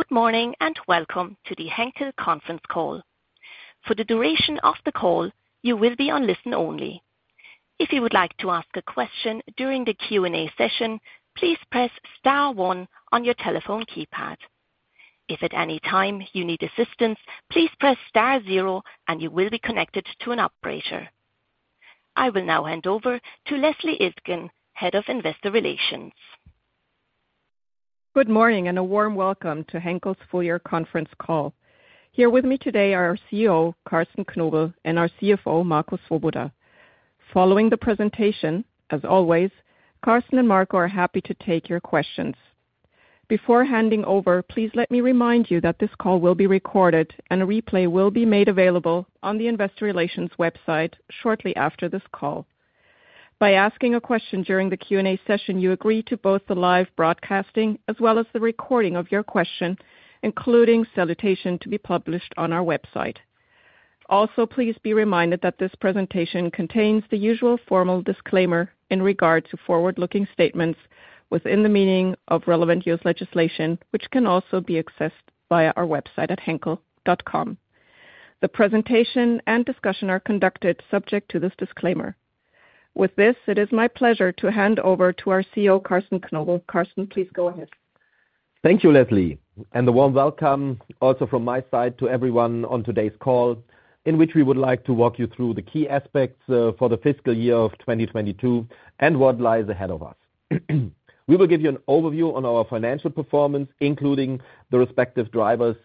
Good morning. Welcome to the Henkel Conference Call. For the duration of the call, you will be on listen only. If you would like to ask a question during the Q&A session, please press star one on your telephone keypad. If at any time you need assistance, please press star zero and you will be connected to an operator. I will now hand over to Leslie Iltgen, Head of Investor Relations. Good morning and a warm welcome to Henkel's Full Year Conference Call. Here with me today are our CEO, Carsten Knobel, and our CFO, Marco Swoboda. Following the presentation, as always, Carsten and Marco are happy to take your questions. Before handing over, please let me remind you that this call will be recorded and a replay will be made available on the investor relations website shortly after this call. By asking a question during the Q&A session, you agree to both the live broadcasting as well as the recording of your question, including salutation, to be published on our website. Please be reminded that this presentation contains the usual formal disclaimer in regards to forward-looking statements within the meaning of relevant U.S. legislation, which can also be accessed via our website at henkel.com. The presentation and discussion are conducted subject to this disclaimer. With this, it is my pleasure to hand over to our CEO, Carsten Knobel. Carsten, please go ahead. Thank you, Leslie, and a warm welcome also from my side to everyone on today's call, in which we would like to walk you through the key aspects for the fiscal year of 2022 and what lies ahead of us. We will give you an overview on our financial performance, including the respective drivers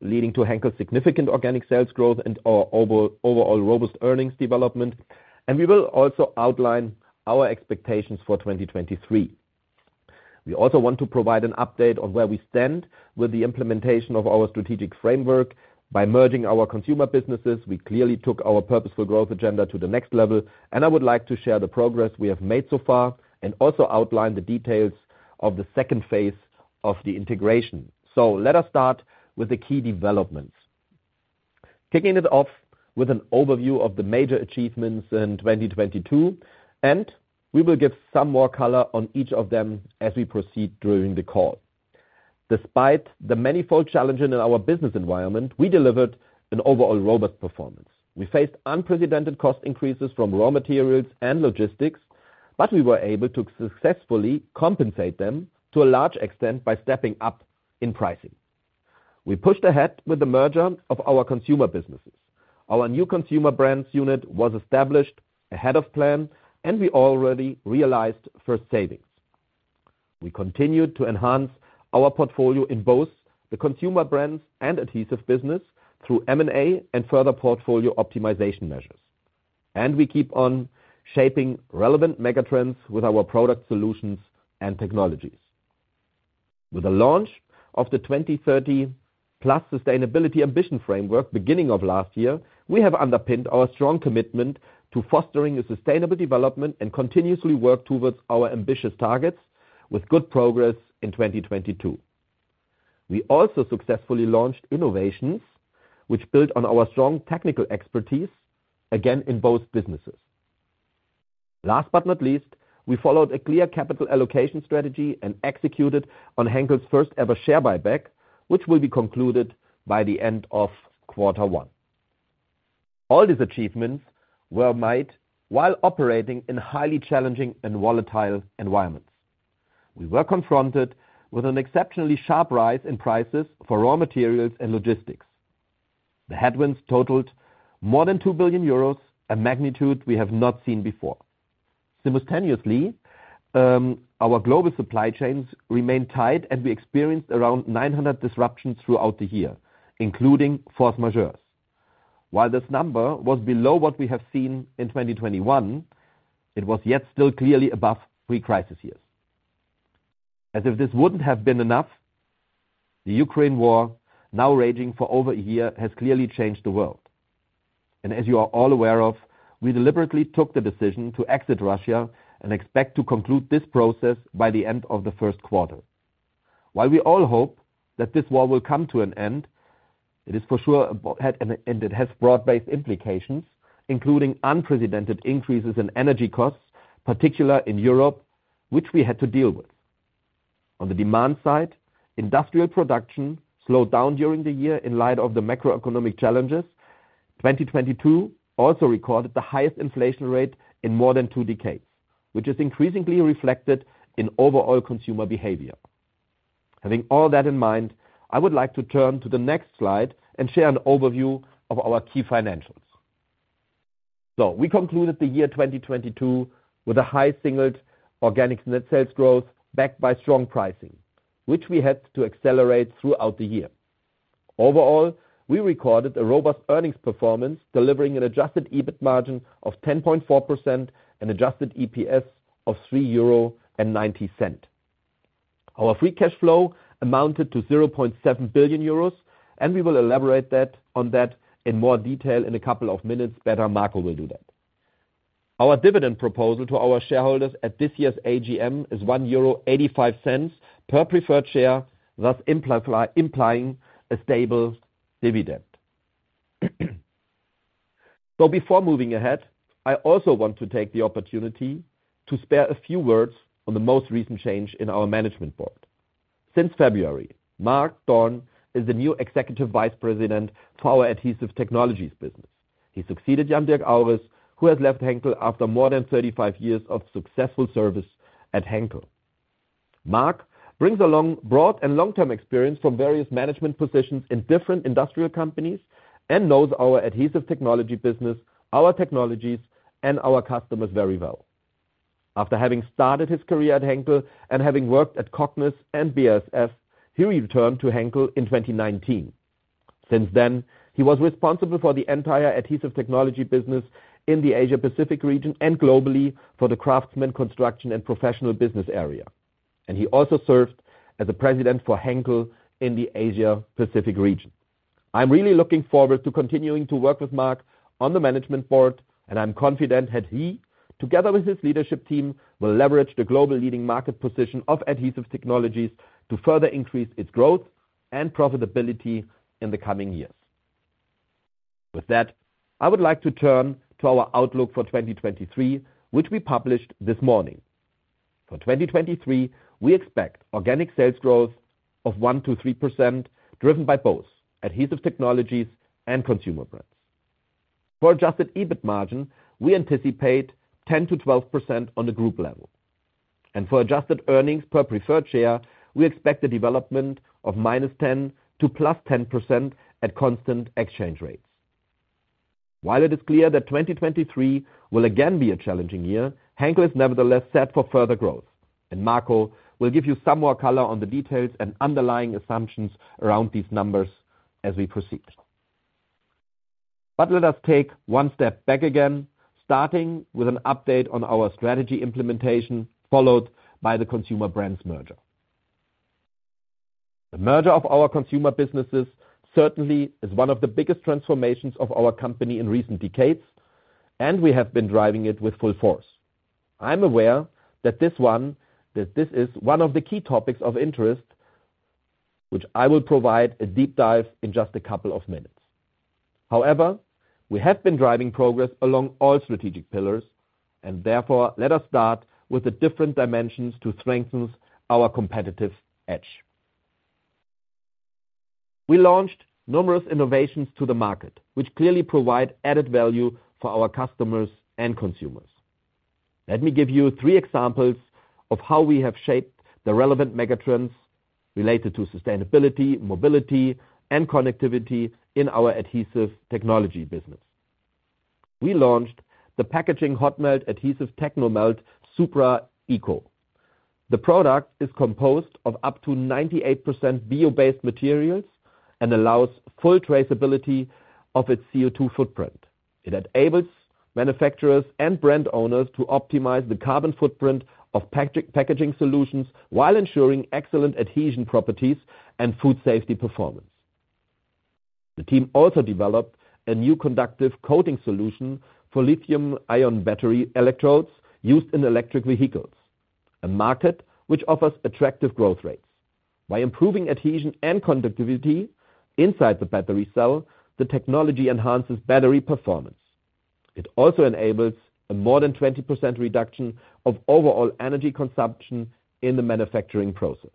leading to Henkel's significant organic sales growth and our overall robust earnings development. We will also outline our expectations for 2023. We also want to provide an update on where we stand with the implementation of our strategic framework. By merging our consumer businesses, we clearly took our purposeful growth agenda to the next level. I would like to share the progress we have made so far and also outline the details of the second phase of the integration. Let us start with the key developments. Kicking it off with an overview of the major achievements in 2022, we will give some more color on each of them as we proceed during the call. Despite the many full challenges in our business environment, we delivered an overall robust performance. We faced unprecedented cost increases from raw materials and logistics, we were able to successfully compensate them to a large extent by stepping up in pricing. We pushed ahead with the merger of our consumer businesses. Our new Consumer Brands unit was established ahead of plan, we already realized first savings. We continued to enhance our portfolio in both the Consumer Brands and Adhesive business through M&A and further portfolio optimization measures. We keep on shaping relevant mega trends with our product solutions and technologies. With the launch of the 2030+ Sustainability Ambition Framework beginning of last year, we have underpinned our strong commitment to fostering a sustainable development and continuously work towards our ambitious targets with good progress in 2022. We also successfully launched innovations which build on our strong technical expertise, again, in both businesses. Last but not least, we followed a clear capital allocation strategy and executed on Henkel's first ever share buyback, which will be concluded by the end of quarter one. All these achievements were made while operating in highly challenging and volatile environments. We were confronted with an exceptionally sharp rise in prices for raw materials and logistics. The headwinds totaled more than 2 billion euros, a magnitude we have not seen before. Simultaneously, our global supply chains remained tight, and we experienced around 900 disruptions throughout the year, including force majeures. While this number was below what we have seen in 2021, it was yet still clearly above pre-crisis years. As if this wouldn't have been enough, the Ukraine war, now raging for over 1 year, has clearly changed the world. As you are all aware of, we deliberately took the decision to exit Russia and expect to conclude this process by the end of the first quarter. While we all hope that this war will come to an end, it is for sure had an, and it has broad-based implications, including unprecedented increases in energy costs, particular in Europe, which we had to deal with. On the demand side, industrial production slowed down during the year in light of the macroeconomic challenges. 2022 also recorded the highest inflation rate in more than 2 decades, which is increasingly reflected in overall consumer behavior. Having all that in mind, I would like to turn to the next slide and share an overview of our key financials. We concluded the year 2022 with a high singled organic net sales growth backed by strong pricing, which we had to accelerate throughout the year. Overall, we recorded a robust earnings performance, delivering an adjusted EBIT margin of 10.4% and adjusted EPS of 3.90 euro. Our free cash flow amounted to 0.7 billion euros, and we will elaborate on that in more detail in a couple of minutes better. Marco will do that. Our dividend proposal to our shareholders at this year's AGM is 1.85 euro per preferred share, thus implying a stable dividend. Before moving ahead, I also want to take the opportunity to spare a few words on the most recent change in our management board. Since February, Mark Dorn is the new Executive Vice President for our Adhesive Technologies business. He succeeded Jan-Dirk Auris, who has left Henkel after more than 35 years of successful service at Henkel. Mark brings along broad and long-term experience from various management positions in different industrial companies and knows our Adhesive Technology business, our technologies, and our customers very well. After having started his career at Henkel and having worked at Cognis and BASF, he returned to Henkel in 2019. Since then, he was responsible for the entire Adhesive Technology business in the Asia-Pacific region and globally for the Craftsman Construction and Professional Business Area. He also served as the President for Henkel in the Asia-Pacific region. I'm really looking forward to continuing to work with Mark on the management board, and I'm confident that he, together with his leadership team, will leverage the global leading market position of Adhesive Technologies to further increase its growth and profitability in the coming years. With that, I would like to turn to our outlook for 2023, which we published this morning. For 2023, we expect organic sales growth of 1%-3%, driven by both Adhesive Technologies and Consumer Brands. For adjusted EBIT margin, we anticipate 10%-12% on the group level. For adjusted earnings per preferred share, we expect a development of -10% to +10% at constant exchange rates. While it is clear that 2023 will again be a challenging year, Henkel is nevertheless set for further growth. Marco will give you some more color on the details and underlying assumptions around these numbers as we proceed. Let us take one step back again, starting with an update on our strategy implementation, followed by the Consumer Brands merger. The merger of our consumer businesses certainly is one of the biggest transformations of our company in recent decades, and we have been driving it with full force. I'm aware that this is one of the key topics of interest which I will provide a deep dive in just a couple of minutes. However, we have been driving progress along all strategic pillars, and therefore, let us start with the different dimensions to strengthen our competitive edge. We launched numerous innovations to the market, which clearly provide added value for our customers and consumers. Let me give you three examples of how we have shaped the relevant megatrends related to sustainability, mobility, and connectivity in our Adhesive Technologies business. We launched the packaging hot melt adhesive Technomelt Supra ECO. The product is composed of up to 98% bio-based materials and allows full traceability of its CO2 footprint. It enables manufacturers and brand owners to optimize the carbon footprint of pack-packaging solutions while ensuring excellent adhesion properties and food safety performance. The team also developed a new conductive coating solution for lithium-ion battery electrodes used in electric vehicles, a market which offers attractive growth rates. By improving adhesion and conductivity inside the battery cell, the technology enhances battery performance. It also enables a more than 20% reduction of overall energy consumption in the manufacturing process.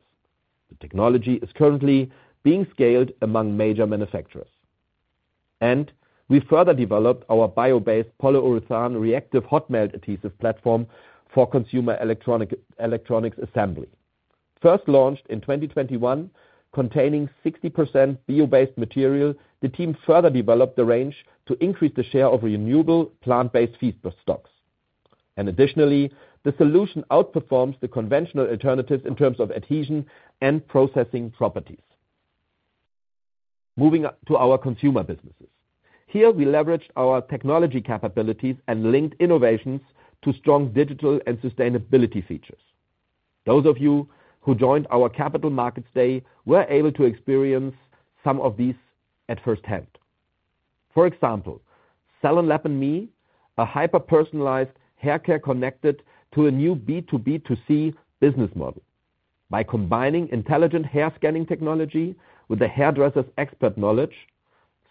The technology is currently being scaled among major manufacturers. We further developed our bio-based polyurethane reactive hot melt adhesive platform for consumer electronics assembly. First launched in 2021, containing 60% bio-based material, the team further developed the range to increase the share of renewable plant-based feedstock. Additionally, the solution outperforms the conventional alternatives in terms of adhesion and processing properties. Moving on to our consumer businesses. Here we leveraged our technology capabilities and linked innovations to strong digital and sustainability features. Those of you who joined our capital markets day were able to experience some of these at firsthand. For example, SalonLab&Me, a hyper-personalized haircare connected to a new B2B2C business model. By combining intelligent hair scanning technology with the hairdresser's expert knowledge,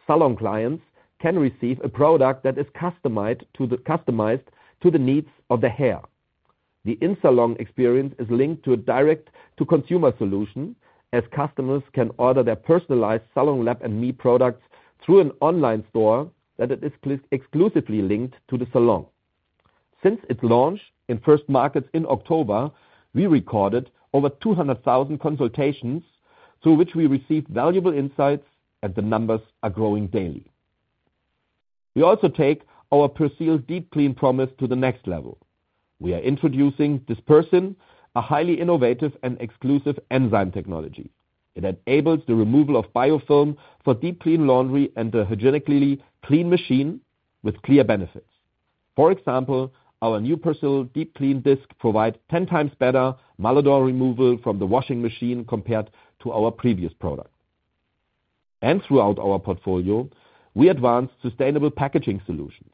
salon clients can receive a product that is customized to the needs of the hair. The in-salon experience is linked to a direct-to-consumer solution as customers can order their personalized SalonLab&Me products through an online store that it is exclusively linked to the salon. Since its launch in first markets in October, we recorded over 200,000 consultations through which we received valuable insights, and the numbers are growing daily. We also take our Persil Deep Clean promise to the next level. We are introducing Dispersin, a highly innovative and exclusive enzyme technology. It enables the removal of biofilm for deep clean laundry and a hygienically clean machine with clear benefits. For example, our new Persil Deep Clean Disc provide 10 times better malodor removal from the washing machine compared to our previous product. Throughout our portfolio, we advanced sustainable packaging solutions.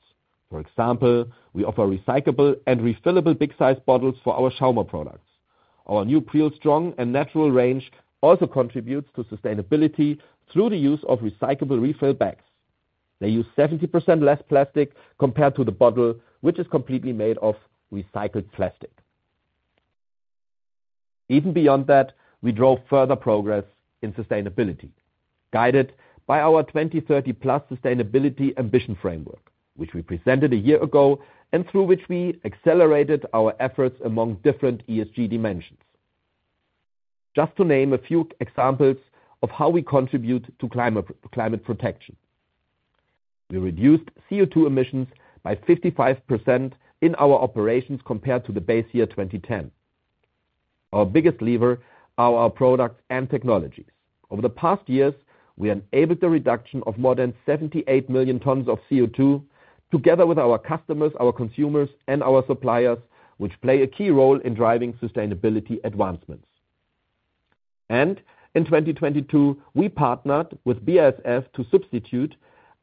For example, we offer recyclable and refillable big sized bottles for our Schauma products. Our new Pure, Strong and Natural range also contributes to sustainability through the use of recyclable refill bags. They use 70% less plastic compared to the bottle, which is completely made of recycled plastic. Beyond that, we drove further progress in sustainability, guided by our 2030+ Sustainability Ambition Framework, which we presented a year ago, and through which we accelerated our efforts among different ESG dimensions. To name a few examples of how we contribute to climate protection. We reduced CO₂ emissions by 55% in our operations compared to the base year 2010. Our biggest lever are our products and technologies. Over the past years, we enabled the reduction of more than 78 million tons of CO₂, together with our customers, our consumers, and our suppliers, which play a key role in driving sustainability advancements. In 2022, we partnered with BASF to substitute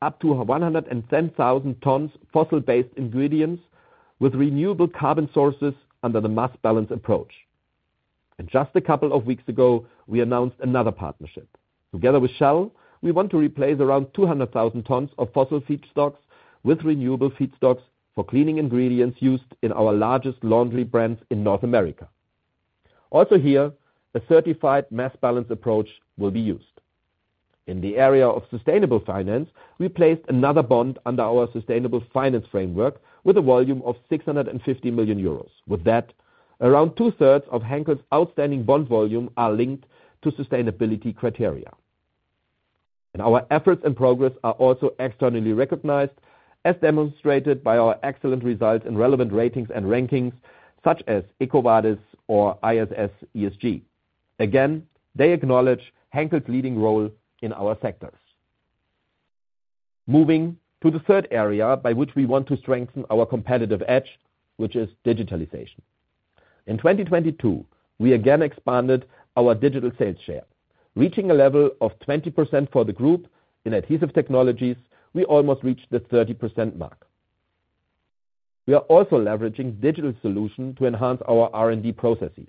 up to 110,000 tons fossil-based ingredients with renewable carbon sources under the mass balance approach. Just a couple of weeks ago, we announced another partnership. Together with Shell, we want to replace around 200,000 tons of fossil feedstocks with renewable feedstocks for cleaning ingredients used in our largest laundry brands in North America. Also here, a certified mass balance approach will be used. In the area of sustainable finance, we placed another bond under our Sustainable Finance Framework with a volume of 650 million euros. With that, around two-thirds of Henkel's outstanding bond volume are linked to sustainability criteria. Our efforts and progress are also externally recognized, as demonstrated by our excellent results in relevant ratings and rankings such as EcoVadis or ISS ESG. Again, they acknowledge Henkel's leading role in our sectors. Moving to the third area by which we want to strengthen our competitive edge, which is digitalization. In 2022, we again expanded our digital sales share, reaching a level of 20% for the group. In Adhesive Technologies, we almost reached the 30% mark. We are also leveraging digital solution to enhance our R&D processes.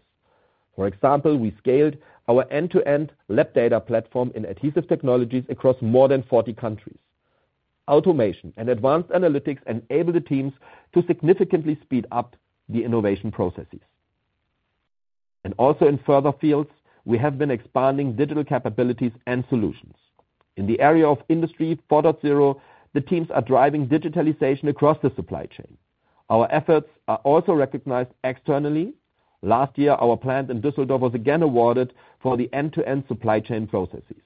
For example, we scaled our end-to-end lab data platform in Adhesive Technologies across more than 40 countries. Automation and advanced analytics enable the teams to significantly speed up the innovation processes. Also in further fields, we have been expanding digital capabilities and solutions. In the area of Industry 4.0, the teams are driving digitalization across the supply chain. Our efforts are also recognized externally. Last year, our plant in Düsseldorf was again awarded for the end-to-end supply chain processes.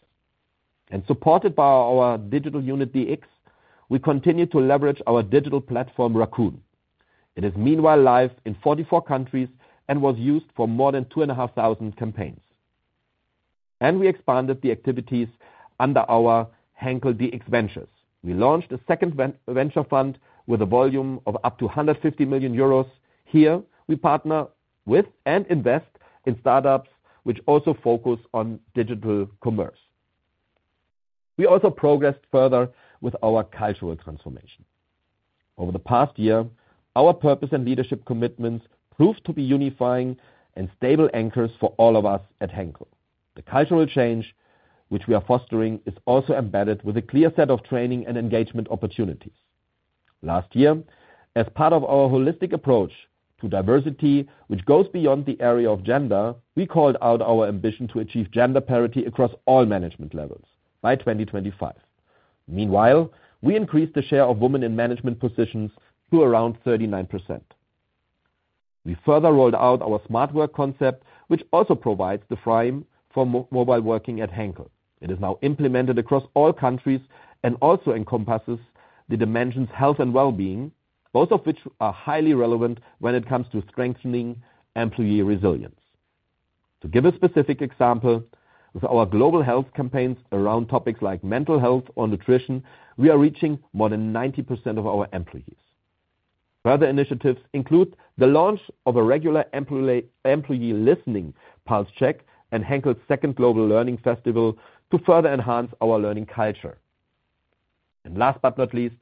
Supported by our digital unit, DX, we continue to leverage our digital platform, RAQN. It is meanwhile live in 44 countries and was used for more than 2,500 campaigns. We expanded the activities under our Henkel dx Ventures. We launched a second venture fund with a volume of up to 150 million euros. Here, we partner with and invest in startups which also focus on digital commerce. We also progressed further with our cultural transformation. Over the past year, our purpose and leadership commitments proved to be unifying and stable anchors for all of us at Henkel. The cultural change which we are fostering is also embedded with a clear set of training and engagement opportunities. Last year, as part of our holistic approach to diversity, which goes beyond the area of gender, we called out our ambition to achieve gender parity across all management levels by 2025. Meanwhile, we increased the share of women in management positions to around 39%. We further rolled out our Smart Work concept, which also provides the frame for mobile working at Henkel. It is now implemented across all countries and also encompasses the dimensions health and well-being, both of which are highly relevant when it comes to strengthening employee resilience. To give a specific example, with our global health campaigns around topics like mental health or nutrition, we are reaching more than 90% of our employees. Further initiatives include the launch of a regular employee listening pulse check and Henkel's second Global Learning Festival to further enhance our learning culture. Last but not least,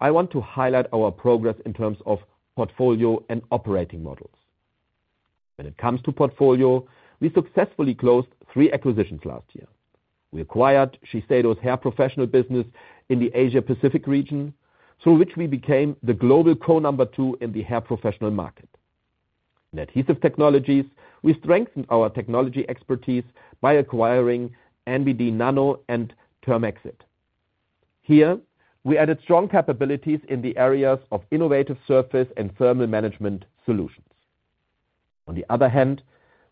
I want to highlight our progress in terms of portfolio and operating models. When it comes to portfolio, we successfully closed three acquisitions last year. We acquired Shiseido's Hair Professional business in the Asia Pacific region, through which we became the global co number two in the hair professional market. In Adhesive Technologies, we strengthened our technology expertise by acquiring NBD Nano and Thermexit. Here, we added strong capabilities in the areas of innovative surface and thermal management solutions. On the other hand,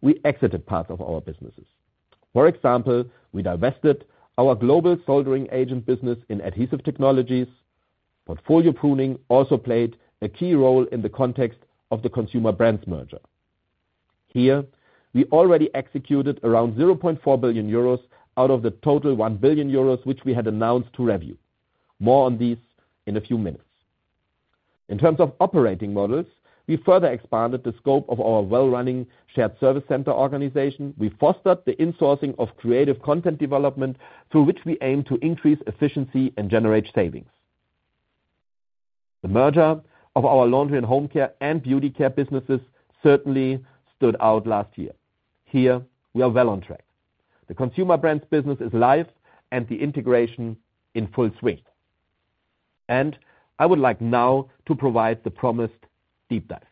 we exited parts of our businesses. For example, we divested our global solder material business in Adhesive Technologies. Portfolio pruning also played a key role in the context of the Consumer Brands merger. Here, we already executed around 0.4 billion euros out of the total 1 billion euros, which we had announced to review. More on these in a few minutes. In terms of operating models, we further expanded the scope of our well-running shared service center organization. We fostered the insourcing of creative content development through which we aim to increase efficiency and generate savings. The merger of our Laundry & Home Care and Beauty Care businesses certainly stood out last year. Here, we are well on track. The Consumer Brands business is live and the integration in full swing. I would like now to provide the promised deep dive.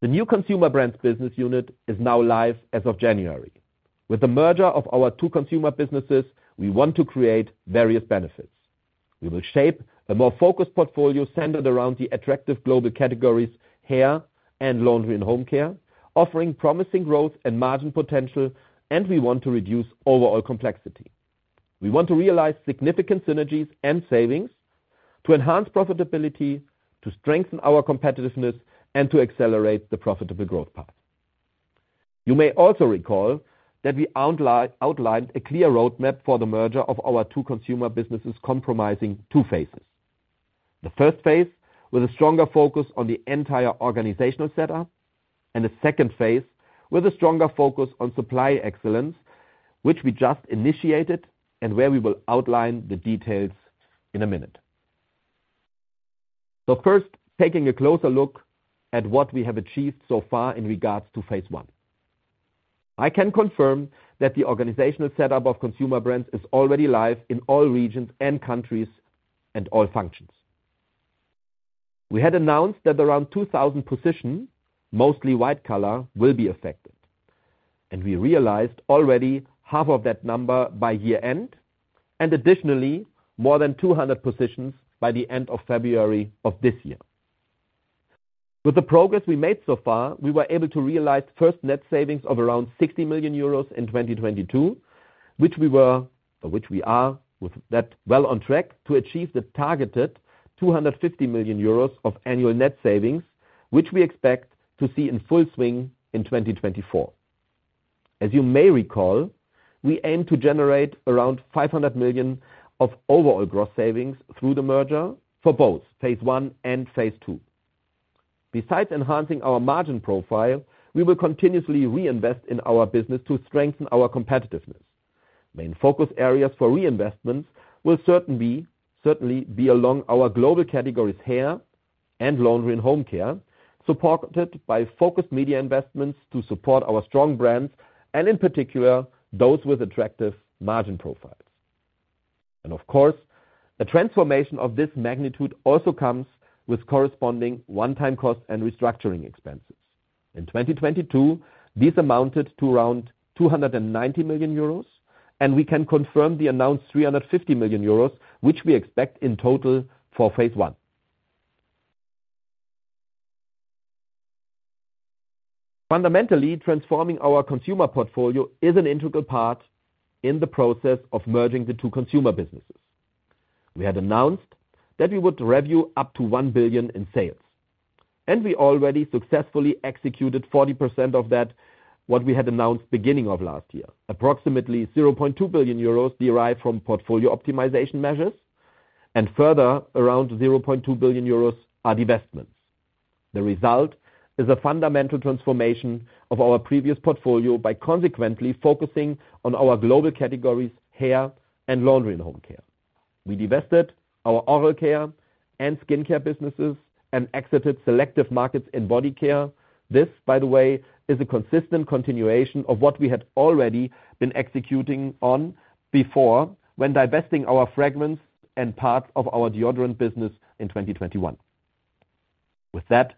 The new Consumer Brands business unit is now live as of January. With the merger of our two consumer businesses, we want to create various benefits. We will shape a more focused portfolio centered around the attractive global categories, hair and Laundry & Home Care, offering promising growth and margin potential. We want to reduce overall complexity. We want to realize significant synergies and savings to enhance profitability, to strengthen our competitiveness, and to accelerate the profitable growth path. You may also recall that we outlined a clear roadmap for the merger of our two consumer businesses comprising two phases. The first phase, with a stronger focus on the entire organizational setup. A second phase, with a stronger focus on supply excellence, which we just initiated and where we will outline the details in a minute. First, taking a closer look at what we have achieved so far in regards to phase I. I can confirm that the organizational setup of Consumer Brands is already live in all regions and countries and all functions. We had announced that around 2,000 positions, mostly white collar, will be affected. We realized already half of that number by year-end, and additionally, more than 200 positions by the end of February of this year. With the progress we made so far, we were able to realize first net savings of around 60 million euros in 2022, Which we are with that well on track to achieve the targeted 250 million euros of annual net savings, which we expect to see in full swing in 2024. As you may recall, we aim to generate around 500 million of overall gross savings through the merger for both phase one and phase two. Besides enhancing our margin profile, we will continuously reinvest in our business to strengthen our competitiveness. Main focus areas for reinvestments will certainly be along our global categories, hair and laundry and home care, supported by focused media investments to support our strong brands, and in particular, those with attractive margin profiles. Of course, the transformation of this magnitude also comes with corresponding one-time costs and restructuring expenses. In 2022, these amounted to around 290 million euros, and we can confirm the announced 350 million euros, which we expect in total for phase one. Fundamentally, transforming our consumer portfolio is an integral part in the process of merging the two consumer businesses. We had announced that we would review up to 1 billion in sales, and we already successfully executed 40% of that, what we had announced beginning of last year. Approximately 0.2 billion euros derived from portfolio optimization measures, and further, around 0.2 billion euros are divestments. The result is a fundamental transformation of our previous portfolio by consequently focusing on our global categories, hair and Laundry & Home Care. We divested our oral care and skincare businesses and exited selective markets in body care. This, by the way, is a consistent continuation of what we had already been executing on before when divesting our fragments and parts of our deodorant business in 2021. With that,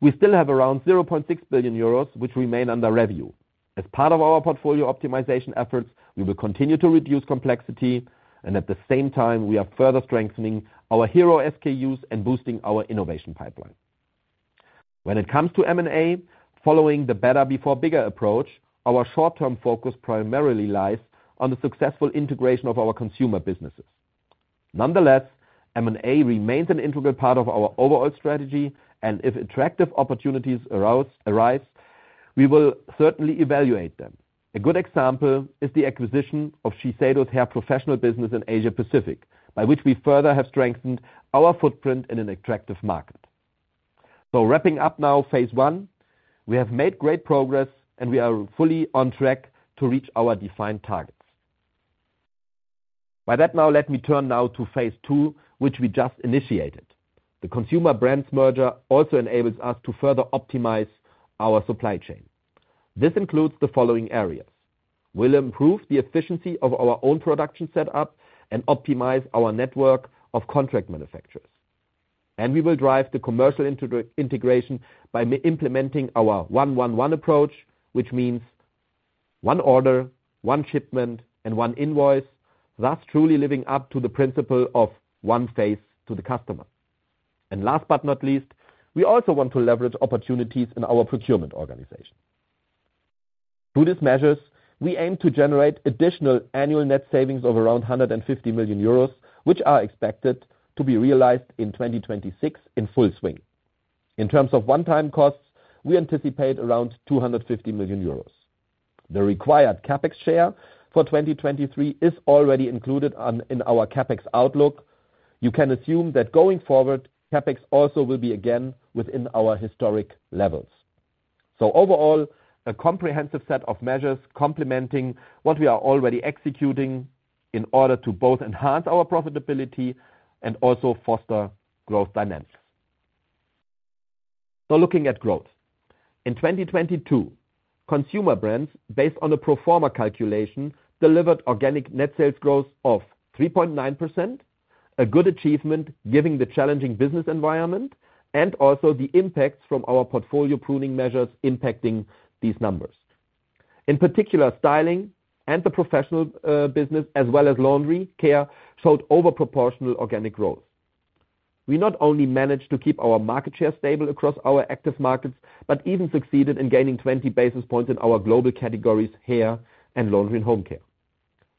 we still have around 0.6 billion euros, which remain under review. As part of our portfolio optimization efforts, we will continue to reduce complexity, and at the same time, we are further strengthening our hero SKUs and boosting our innovation pipeline. When it comes to M&A, following the better, bigger approach, our short-term focus primarily lies on the successful integration of our consumer businesses. Nonetheless, M&A remains an integral part of our overall strategy, and if attractive opportunities arise, we will certainly evaluate them. A good example is the acquisition of Shiseido's hair professional business in Asia-Pacific, by which we further have strengthened our footprint in an attractive market. Wrapping up now, phase I, we have made great progress, and we are fully on track to reach our defined targets. By that now, let me turn now to phase II which we just initiated. The Consumer Brands merger also enables us to further optimize our supply chain. This includes the following areas. We'll improve the efficiency of our own production setup and optimize our network of contract manufacturers. We will drive the commercial integration by implementing our one-one-one approach, which means one order, one shipment, and one invoice, thus truly living up to the principle of one face to the customer. Last but not least, we also want to leverage opportunities in our procurement organization. Through these measures, we aim to generate additional annual net savings of around 150 million euros, which are expected to be realized in 2026 in full swing. In terms of one-time costs, we anticipate around 250 million euros. The required CapEx share for 2023 is already included in our CapEx outlook. You can assume that going forward, CapEx also will be again within our historic levels. Overall, a comprehensive set of measures complementing what we are already executing in order to both enhance our profitability and also foster growth dynamics. Looking at growth. In 2022, Consumer Brands, based on a pro forma calculation, delivered organic net sales growth of 3.9%, a good achievement giving the challenging business environment and also the impacts from our portfolio pruning measures impacting these numbers. In particular, styling and the professional business as well as laundry care showed over proportional organic growth. We not only managed to keep our market share stable across our active markets, but even succeeded in gaining 20 basis points in our global categories, hair and Laundry & Home Care.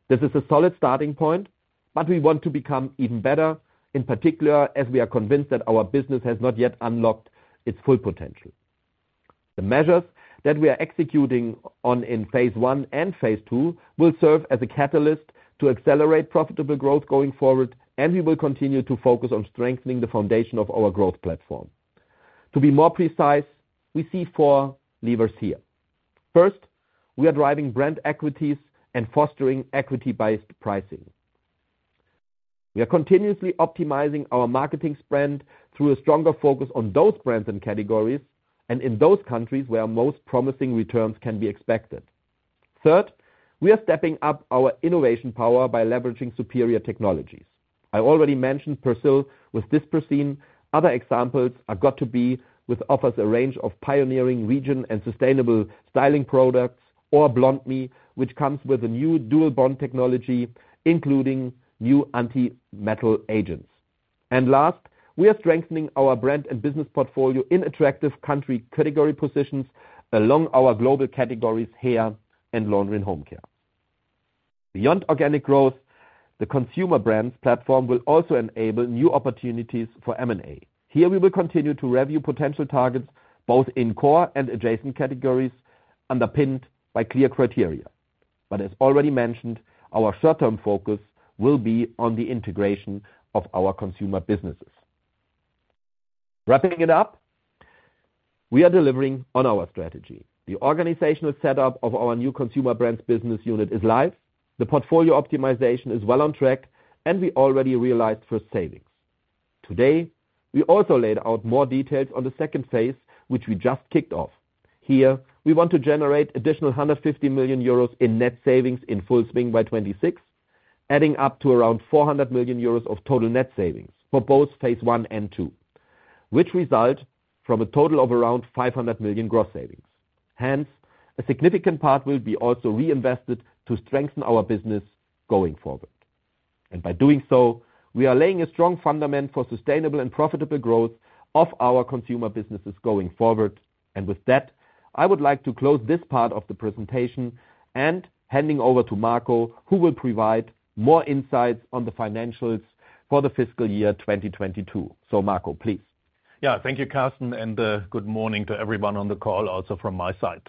This is a solid starting point, but we want to become even better, in particular, as we are convinced that our business has not yet unlocked its full potential. The measures that we are executing on in phase I and phase II will serve as a catalyst to accelerate profitable growth going forward, and we will continue to focus on strengthening the foundation of our growth platform. To be more precise, we see four levers here. First, we are driving brand equities and fostering equity-based pricing. We are continuously optimizing our marketing spend through a stronger focus on those brands and categories and in those countries where most promising returns can be expected. Third, we are stepping up our innovation power by leveraging superior technologies. I already mentioned Persil with Dispersin. Other examples are got2b, which offers a range of pioneering region and sustainable styling products, or BlondMe, which comes with a new Dual Bond Technology, including new anti-metal agents. Last, we are strengthening our brand and business portfolio in attractive country category positions along our global categories, hair and Laundry & Home Care. Beyond organic growth, the Consumer Brands platform will also enable new opportunities for M&A. Here, we will continue to review potential targets, both in core and adjacent categories, underpinned by clear criteria. As already mentioned, our short-term focus will be on the integration of our Consumer Businesses. Wrapping it up, we are delivering on our strategy. The organizational setup of our new Consumer Brands business unit is live. The portfolio optimization is well on track, and we already realized first savings. Today, we also laid out more details on the second phase, which we just kicked off. Here, we want to generate additional 150 million euros in net savings in full swing by 2026, adding up to around 400 million euros of total net savings for both phase I and II, which result from a total of around 500 million gross savings. Hence, a significant part will be also reinvested to strengthen our business going forward. By doing so, we are laying a strong fundament for sustainable and profitable growth of our consumer businesses going forward. With that, I would like to close this part of the presentation and handing over to Marco, who will provide more insights on the financials for the fiscal year 2022. Marco, please. Yeah. Thank you, Carsten, and good morning to everyone on the call, also from my side.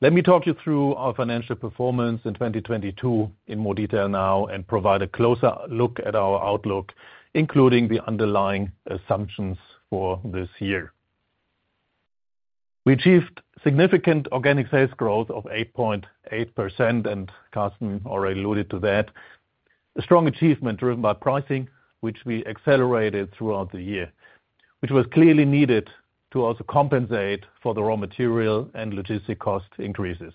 Let me talk you through our financial performance in 2022 in more detail now and provide a closer look at our outlook, including the underlying assumptions for this year. We achieved significant organic sales growth of 8.8%, and Carsten already alluded to that. A strong achievement driven by pricing, which we accelerated throughout the year, which was clearly needed to also compensate for the raw material and logistic cost increases.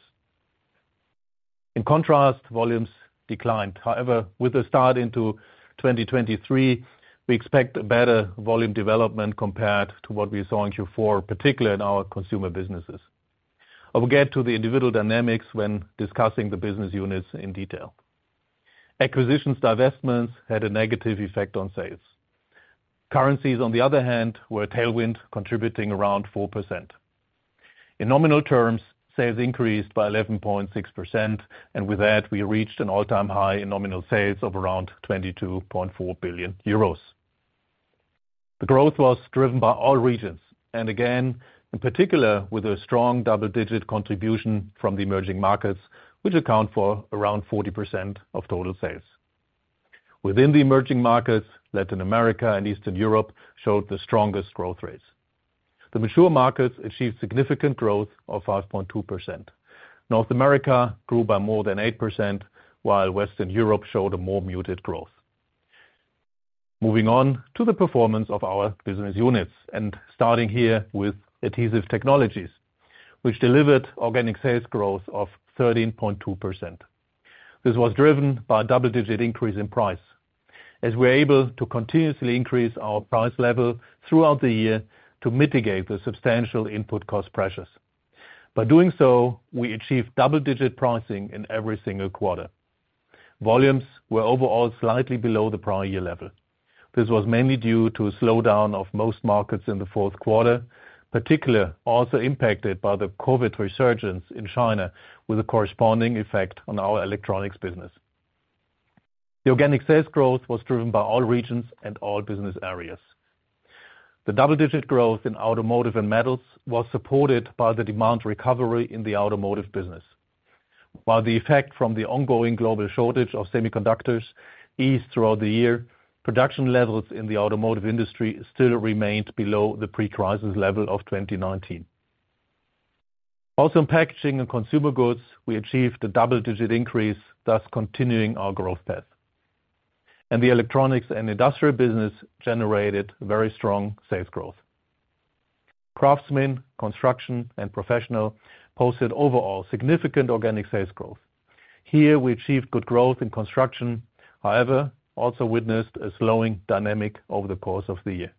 In contrast, volumes declined. However, with the start into 2023, we expect better volume development compared to what we saw in Q4, particularly in our consumer businesses. I will get to the individual dynamics when discussing the business units in detail. Acquisitions divestments had a negative effect on sales. Currencies, on the other hand, were a tailwind contributing around 4%. In nominal terms, sales increased by 11.6%, and with that, we reached an all-time high in nominal sales of around 22.4 billion euros. The growth was driven by all regions, and again, in particular, with a strong double-digit contribution from the emerging markets, which account for around 40% of total sales. Within the emerging markets, Latin America and Eastern Europe showed the strongest growth rates. The mature markets achieved significant growth of 5.2%. North America grew by more than 8%, while Western Europe showed a more muted growth. Moving on to the performance of our business units, and starting here with Adhesive Technologies, which delivered organic sales growth of 13.2%. This was driven by a double-digit increase in price, as we're able to continuously increase our price level throughout the year to mitigate the substantial input cost pressures. By doing so, we achieved double-digit pricing in every single quarter. Volumes were overall slightly below the prior year level. This was mainly due to a slowdown of most markets in the fourth quarter, particularly also impacted by the COVID resurgence in China with a corresponding effect on our electronics business. The organic sales growth was driven by all regions and all business areas. The double-digit growth in automotive and metals was supported by the demand recovery in the automotive business. While the effect from the ongoing global shortage of semiconductors eased throughout the year, production levels in the automotive industry still remained below the pre-crisis level of 2019. In packaging and consumer goods, we achieved a double-digit increase, thus continuing our growth path. The electronics and industrial business generated very strong sales growth. Craftsmen, construction, and professional posted overall significant organic sales growth. Here, we achieved good growth in construction, however, also witnessed a slowing dynamic over the course of the year.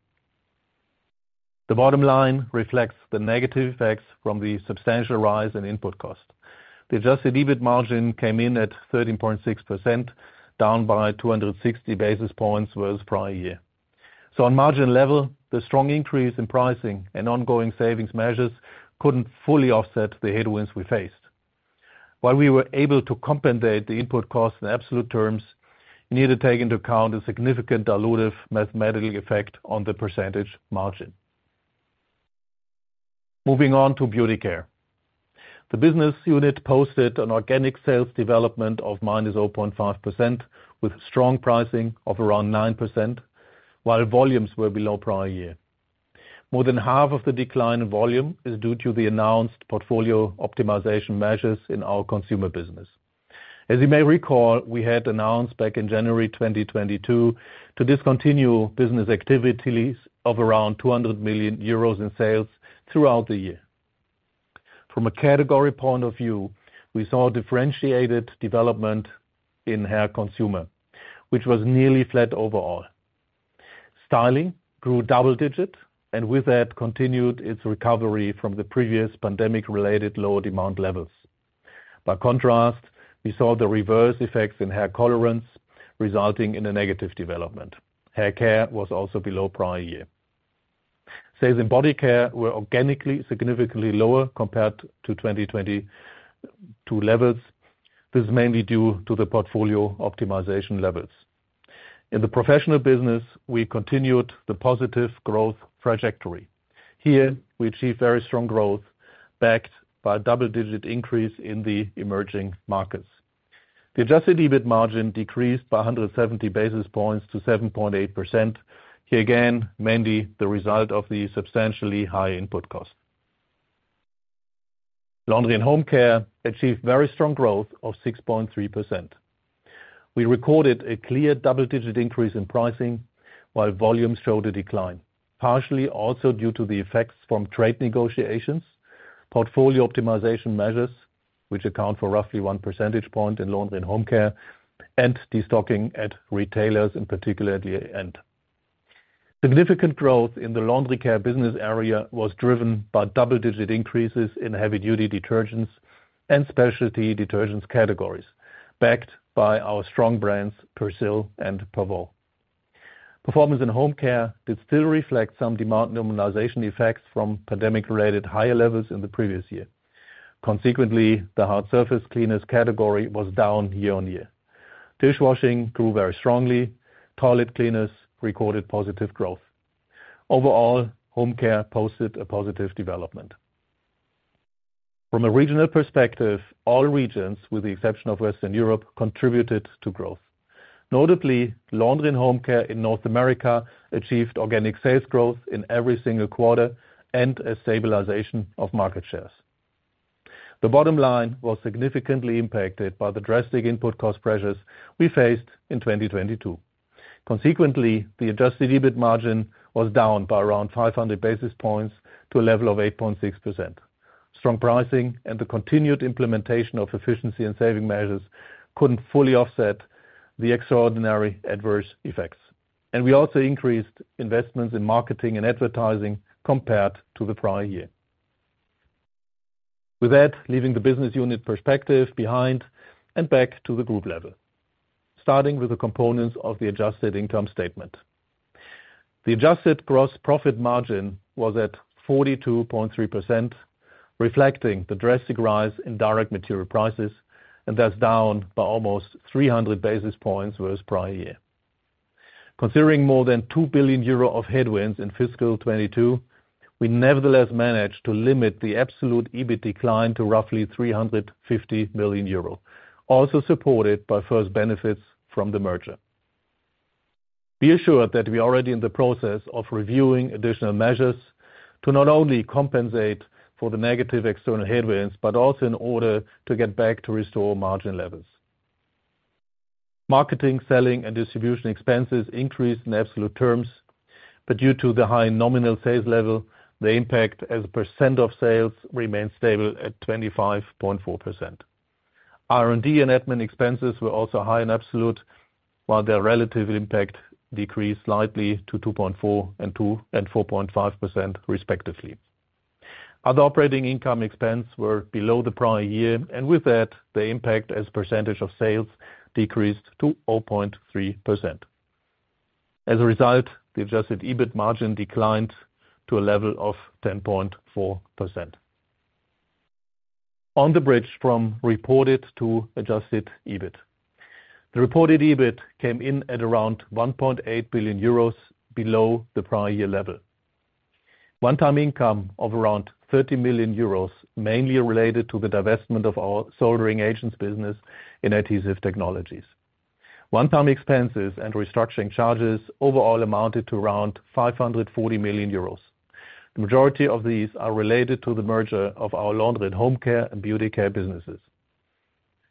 The bottom line reflects the negative effects from the substantial rise in input cost. The adjusted EBIT margin came in at 13.6%, down by 260 basis points versus prior year. On margin level, the strong increase in pricing and ongoing savings measures couldn't fully offset the headwinds we faced. While we were able to compensate the input costs in absolute terms, we need to take into account a significant dilutive mathematical effect on the percentage margin. Moving on to beauty care. The business unit posted an organic sales development of -0.5% with strong pricing of around 9%, while volumes were below prior year. More than half of the decline in volume is due to the announced portfolio optimization measures in our consumer business. As you may recall, we had announced back in January 2022 to discontinue business activities of around 200 million euros in sales throughout the year. From a category point of view, we saw differentiated development in hair consumer, which was nearly flat overall. Styling grew double-digit, with that, continued its recovery from the previous pandemic-related low demand levels. By contrast, we saw the reverse effects in hair colorants, resulting in a negative development. Hair care was also below prior year. Sales in body care were organically, significantly lower compared to 2022 levels. This is mainly due to the portfolio optimization levels. In the professional business, we continued the positive growth trajectory. Here, we achieved very strong growth, backed by a double-digit increase in the emerging markets. The adjusted EBIT margin decreased by 170 basis points to 7.8%. Here, again, mainly the result of the substantially high input cost. Laundry and home care achieved very strong growth of 6.3%. We recorded a clear double-digit increase in pricing while volumes showed a decline, partially also due to the effects from trade negotiations, portfolio optimization measures, which account for roughly one percentage point in laundry and home care, and destocking at retailers, in particular at the end. Significant growth in the laundry care business area was driven by double-digit increases in heavy-duty detergents and specialty detergents categories, backed by our strong brands, Persil and Perwoll. Performance in home care did still reflect some demand normalization effects from pandemic-related higher levels in the previous year. The hard surface cleaners category was down year-over-year. Dishwashing grew very strongly. Toilet cleaners recorded positive growth. Overall, home care posted a positive development. From a regional perspective, all regions, with the exception of Western Europe, contributed to growth. Notably, laundry and home care in North America achieved organic sales growth in every single quarter and a stabilization of market shares. The bottom line was significantly impacted by the drastic input cost pressures we faced in 2022. The adjusted EBIT margin was down by around 500 basis points to a level of 8.6%. Strong pricing and the continued implementation of efficiency and saving measures couldn't fully offset the extraordinary adverse effects. We also increased investments in marketing and advertising compared to the prior year. Leaving the business unit perspective behind and back to the group level, starting with the components of the adjusted income statement. The adjusted gross profit margin was at 42.3%, reflecting the drastic rise in direct material prices, and that's down by almost 300 basis points versus prior year. Considering more than 2 billion euro of headwinds in fiscal 2022, we nevertheless managed to limit the absolute EBIT decline to roughly 350 million euros, also supported by first benefits from the merger. Be assured that we are already in the process of reviewing additional measures to not only compensate for the negative external headwinds, but also in order to get back to restore margin levels. Marketing, selling, and distribution expenses increased in absolute terms. Due to the high nominal sales level, the impact as a percent of sales remained stable at 25.4%. R&D and admin expenses were also high in absolute, while their relative impact decreased slightly to 2.4% and 4.5% respectively. Other operating income expense were below the prior year. With that, the impact as percentage of sales decreased to 0.3%. As a result, the adjusted EBIT margin declined to a level of 10.4%. On the bridge from reported to adjusted EBIT. The reported EBIT came in at around 1.8 billion euros below the prior year level. One-time income of around 30 million euros, mainly related to the divestment of our Soldering Agents business in Adhesive Technologies. One-time expenses and restructuring charges overall amounted to around 540 million euros. The majority of these are related to the merger of our Laundry & Home Care and Beauty Care businesses.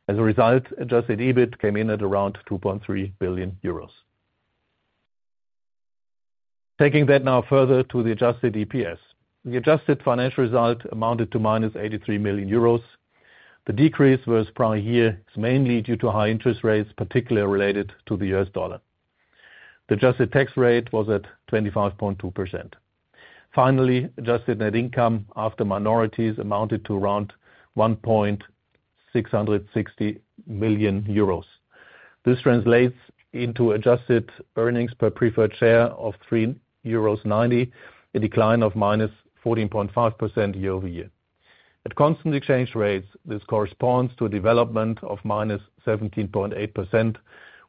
As a result, adjusted EBIT came in at around 2.3 billion euros. Taking that now further to the adjusted EPS. The adjusted financial result amounted to minus 83 million euros. The decrease was prior year, is mainly due to high interest rates, particularly related to the US dollar. The adjusted tax rate was at 25.2%. Finally, adjusted net income after minorities amounted to around 1.660 million euros. This translates into adjusted earnings per preferred share of 3.90 euros, a decline of -14.5% year-over-year. At constant exchange rates, this corresponds to a development of -17.8%,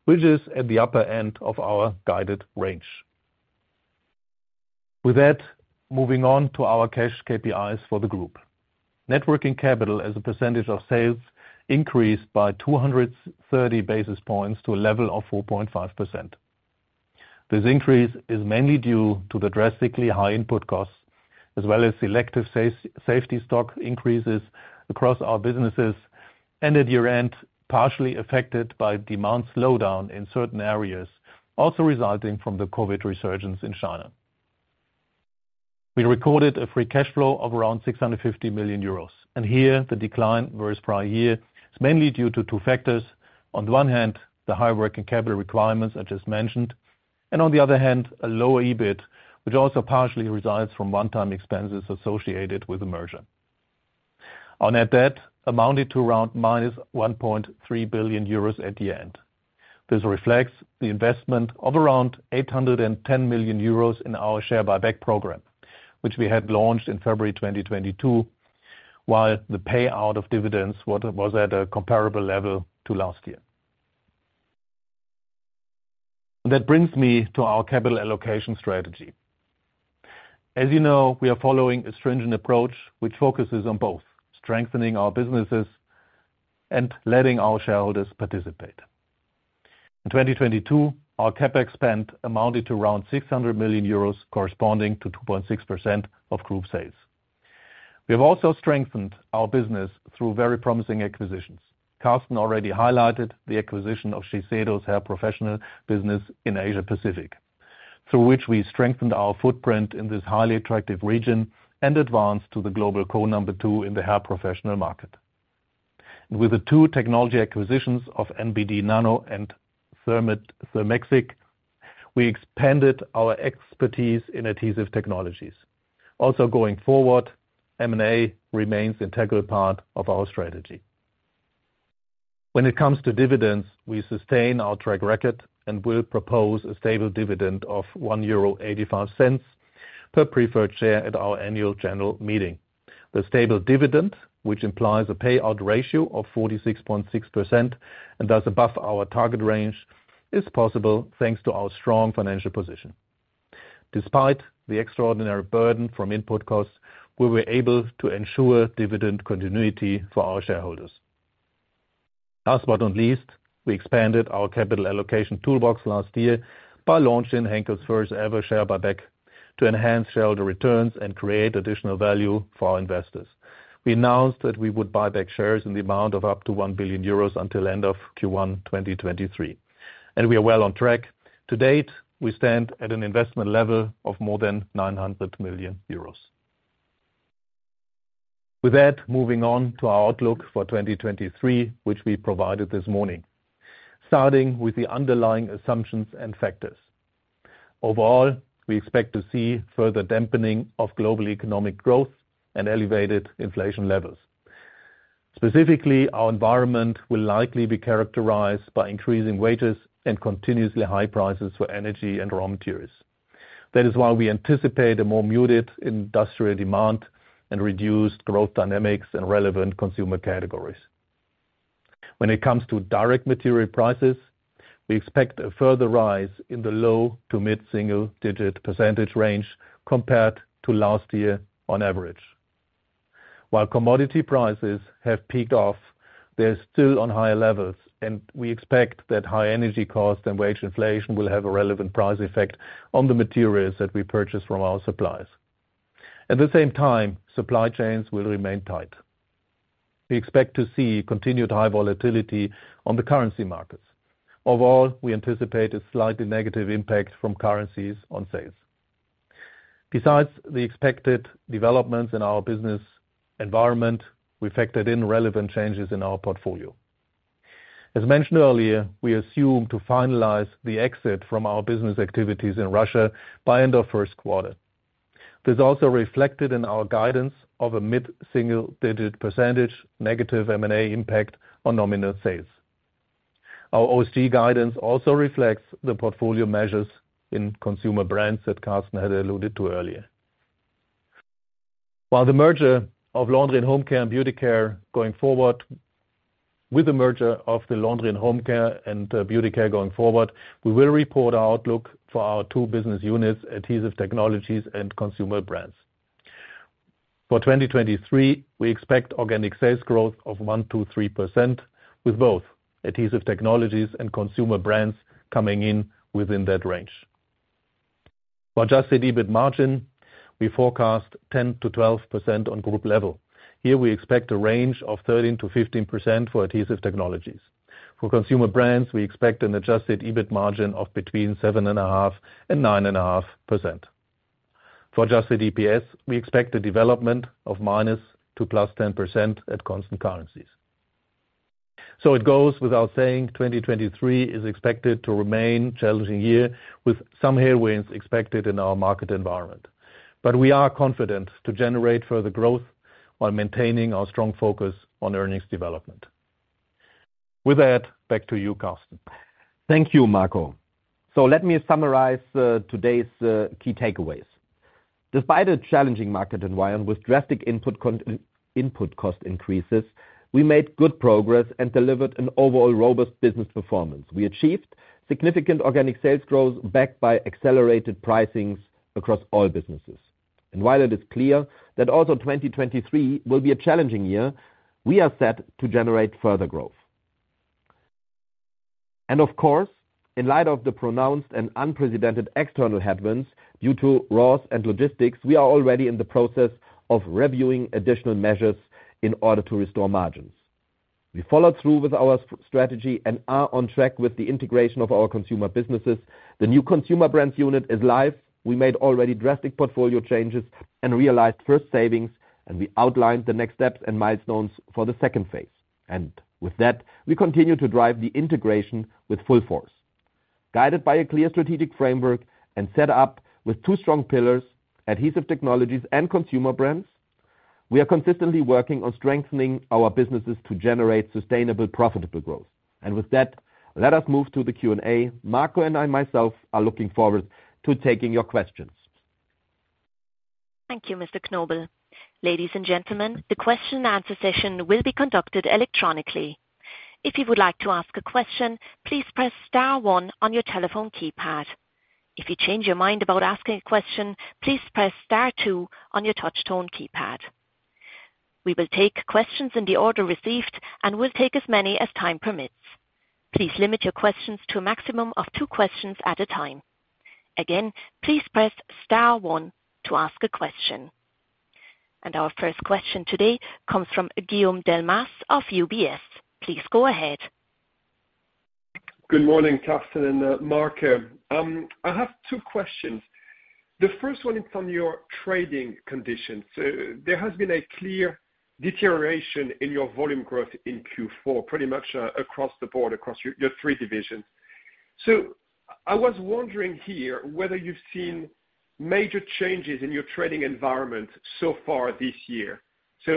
which is at the upper end of our guided range. With that, moving on to our cash KPIs for the group. Net working capital as a percentage of sales increased by 230 basis points to a level of 4.5%. This increase is mainly due to the drastically high input costs as well as selective safety stock increases across our businesses, and at year-end, partially affected by demand slowdown in certain areas, also resulting from the COVID resurgence in China. We recorded a free cash flow of around 650 million euros, and here the decline versus prior year is mainly due to two factors. On one hand, the high working capital requirements I just mentioned, and on the other hand, a lower EBIT, which also partially resides from one-time expenses associated with the merger. Our net debt amounted to around minus 1.3 billion euros at the end. This reflects the investment of around 810 million euros in our share buyback program, which we had launched in February 2022, while the payout of dividends was at a comparable level to last year. This brings me to our capital allocation strategy. As you know, we are following a stringent approach which focuses on both strengthening our businesses and letting our shareholders participate. In 2022, our CapEx spend amounted to around 600 million euros, corresponding to 2.6% of group sales. We have also strengthened our business through very promising acquisitions. Carsten already highlighted the acquisition of Shiseido's Hair Professional business in Asia Pacific, through which we strengthened our footprint in this highly attractive region and advanced to the global co-number two in the hair professional market. With the two technology acquisitions of NBD Nano and Thermexit, we expanded our expertise in Adhesive Technologies. Also going forward, M&A remains integral part of our strategy. When it comes to dividends, we sustain our track record and will propose a stable dividend of 1.85 euro per preferred share at our annual general meeting. The stable dividend, which implies a payout ratio of 46.6% and thus above our target range, is possible thanks to our strong financial position. Despite the extraordinary burden from input costs, we were able to ensure dividend continuity for our shareholders. Last but not least, we expanded our capital allocation toolbox last year by launching Henkel's first-ever share buyback to enhance shareholder returns and create additional value for our investors. We announced that we would buy back shares in the amount of up to 1 billion euros until end of Q1 2023. We are well on track. To date, we stand at an investment level of more than 900 million euros. With that, moving on to our outlook for 2023, which we provided this morning. Starting with the underlying assumptions and factors. Overall, we expect to see further dampening of global economic growth and elevated inflation levels. Specifically, our environment will likely be characterized by increasing wages and continuously high prices for energy and raw materials. That is why we anticipate a more muted industrial demand and reduced growth dynamics in relevant consumer categories. When it comes to direct material prices, we expect a further rise in the low to mid-single digit percentage range compared to last year on average. While commodity prices have peaked off, they're still on higher levels, and we expect that high energy costs and wage inflation will have a relevant price effect on the materials that we purchase from our suppliers. At the same time, supply chains will remain tight. We expect to see continued high volatility on the currency markets. Overall, we anticipate a slightly negative impact from currencies on sales. Besides the expected developments in our business environment, we factored in relevant changes in our portfolio. As mentioned earlier, we assume to finalize the exit from our business activities in Russia by end of first quarter. This is also reflected in our guidance of a mid-single digit percentage negative M&A impact on nominal sales. Our OC guidance also reflects the portfolio measures in Consumer Brands that Carsten had alluded to earlier. While the merger of Laundry & Home Care and Beauty Care going forward, we will report our outlook for our two business units, Adhesive Technologies and Consumer Brands. For 2023, we expect organic sales growth of 1%-3% with both Adhesive Technologies and Consumer Brands coming in within that range. For adjusted EBIT margin, we forecast 10%-12% on group level. Here we expect a range of 13%-15% for Adhesive Technologies. For Consumer Brands, we expect an adjusted EBIT margin of between 7.5% and 9.5%. For Adjusted EPS, we expect a development of -10% to +10% at constant currencies. It goes without saying, 2023 is expected to remain challenging year with some headwinds expected in our market environment. We are confident to generate further growth while maintaining our strong focus on earnings development. With that, back to you, Carsten. Thank you, Marco. Let me summarize today's key takeaways. Despite a challenging market environment with drastic input cost increases, we made good progress and delivered an overall robust business performance. We achieved significant organic sales growth backed by accelerated pricings across all businesses. While it is clear that also 2023 will be a challenging year, we are set to generate further growth. Of course, in light of the pronounced and unprecedented external headwinds due to raws and logistics, we are already in the process of reviewing additional measures in order to restore margins. We followed through with our strategy and are on track with the integration of our consumer businesses. The new Consumer Brands unit is live. We made already drastic portfolio changes and realized first savings, and we outlined the next steps and milestones for the second phase. With that, we continue to drive the integration with full force. Guided by a clear strategic framework and set up with two strong pillars, Adhesive Technologies and Consumer Brands, we are consistently working on strengthening our businesses to generate sustainable, profitable growth. With that, let us move to the Q&A. Marco and I myself are looking forward to taking your questions. Thank you, Mr. Knobel. Ladies and gentlemen, the question and answer session will be conducted electronically. If you would like to ask a question, please press star one on your telephone keypad. If you change your mind about asking a question, please press star two on your touch tone keypad. We will take questions in the order received and will take as many as time permits. Please limit your questions to a maximum of two questions at a time. Again, please press star one to ask a question. Our first question today comes from Guillaume Delmas of UBS. Please go ahead. Good morning, Carsten and Marco. I have two questions. The first one is on your trading conditions. There has been a clear deterioration in your volume growth in Q4, pretty much across the board, across your three divisions. I was wondering here whether you've seen major changes in your trading environment so far this year.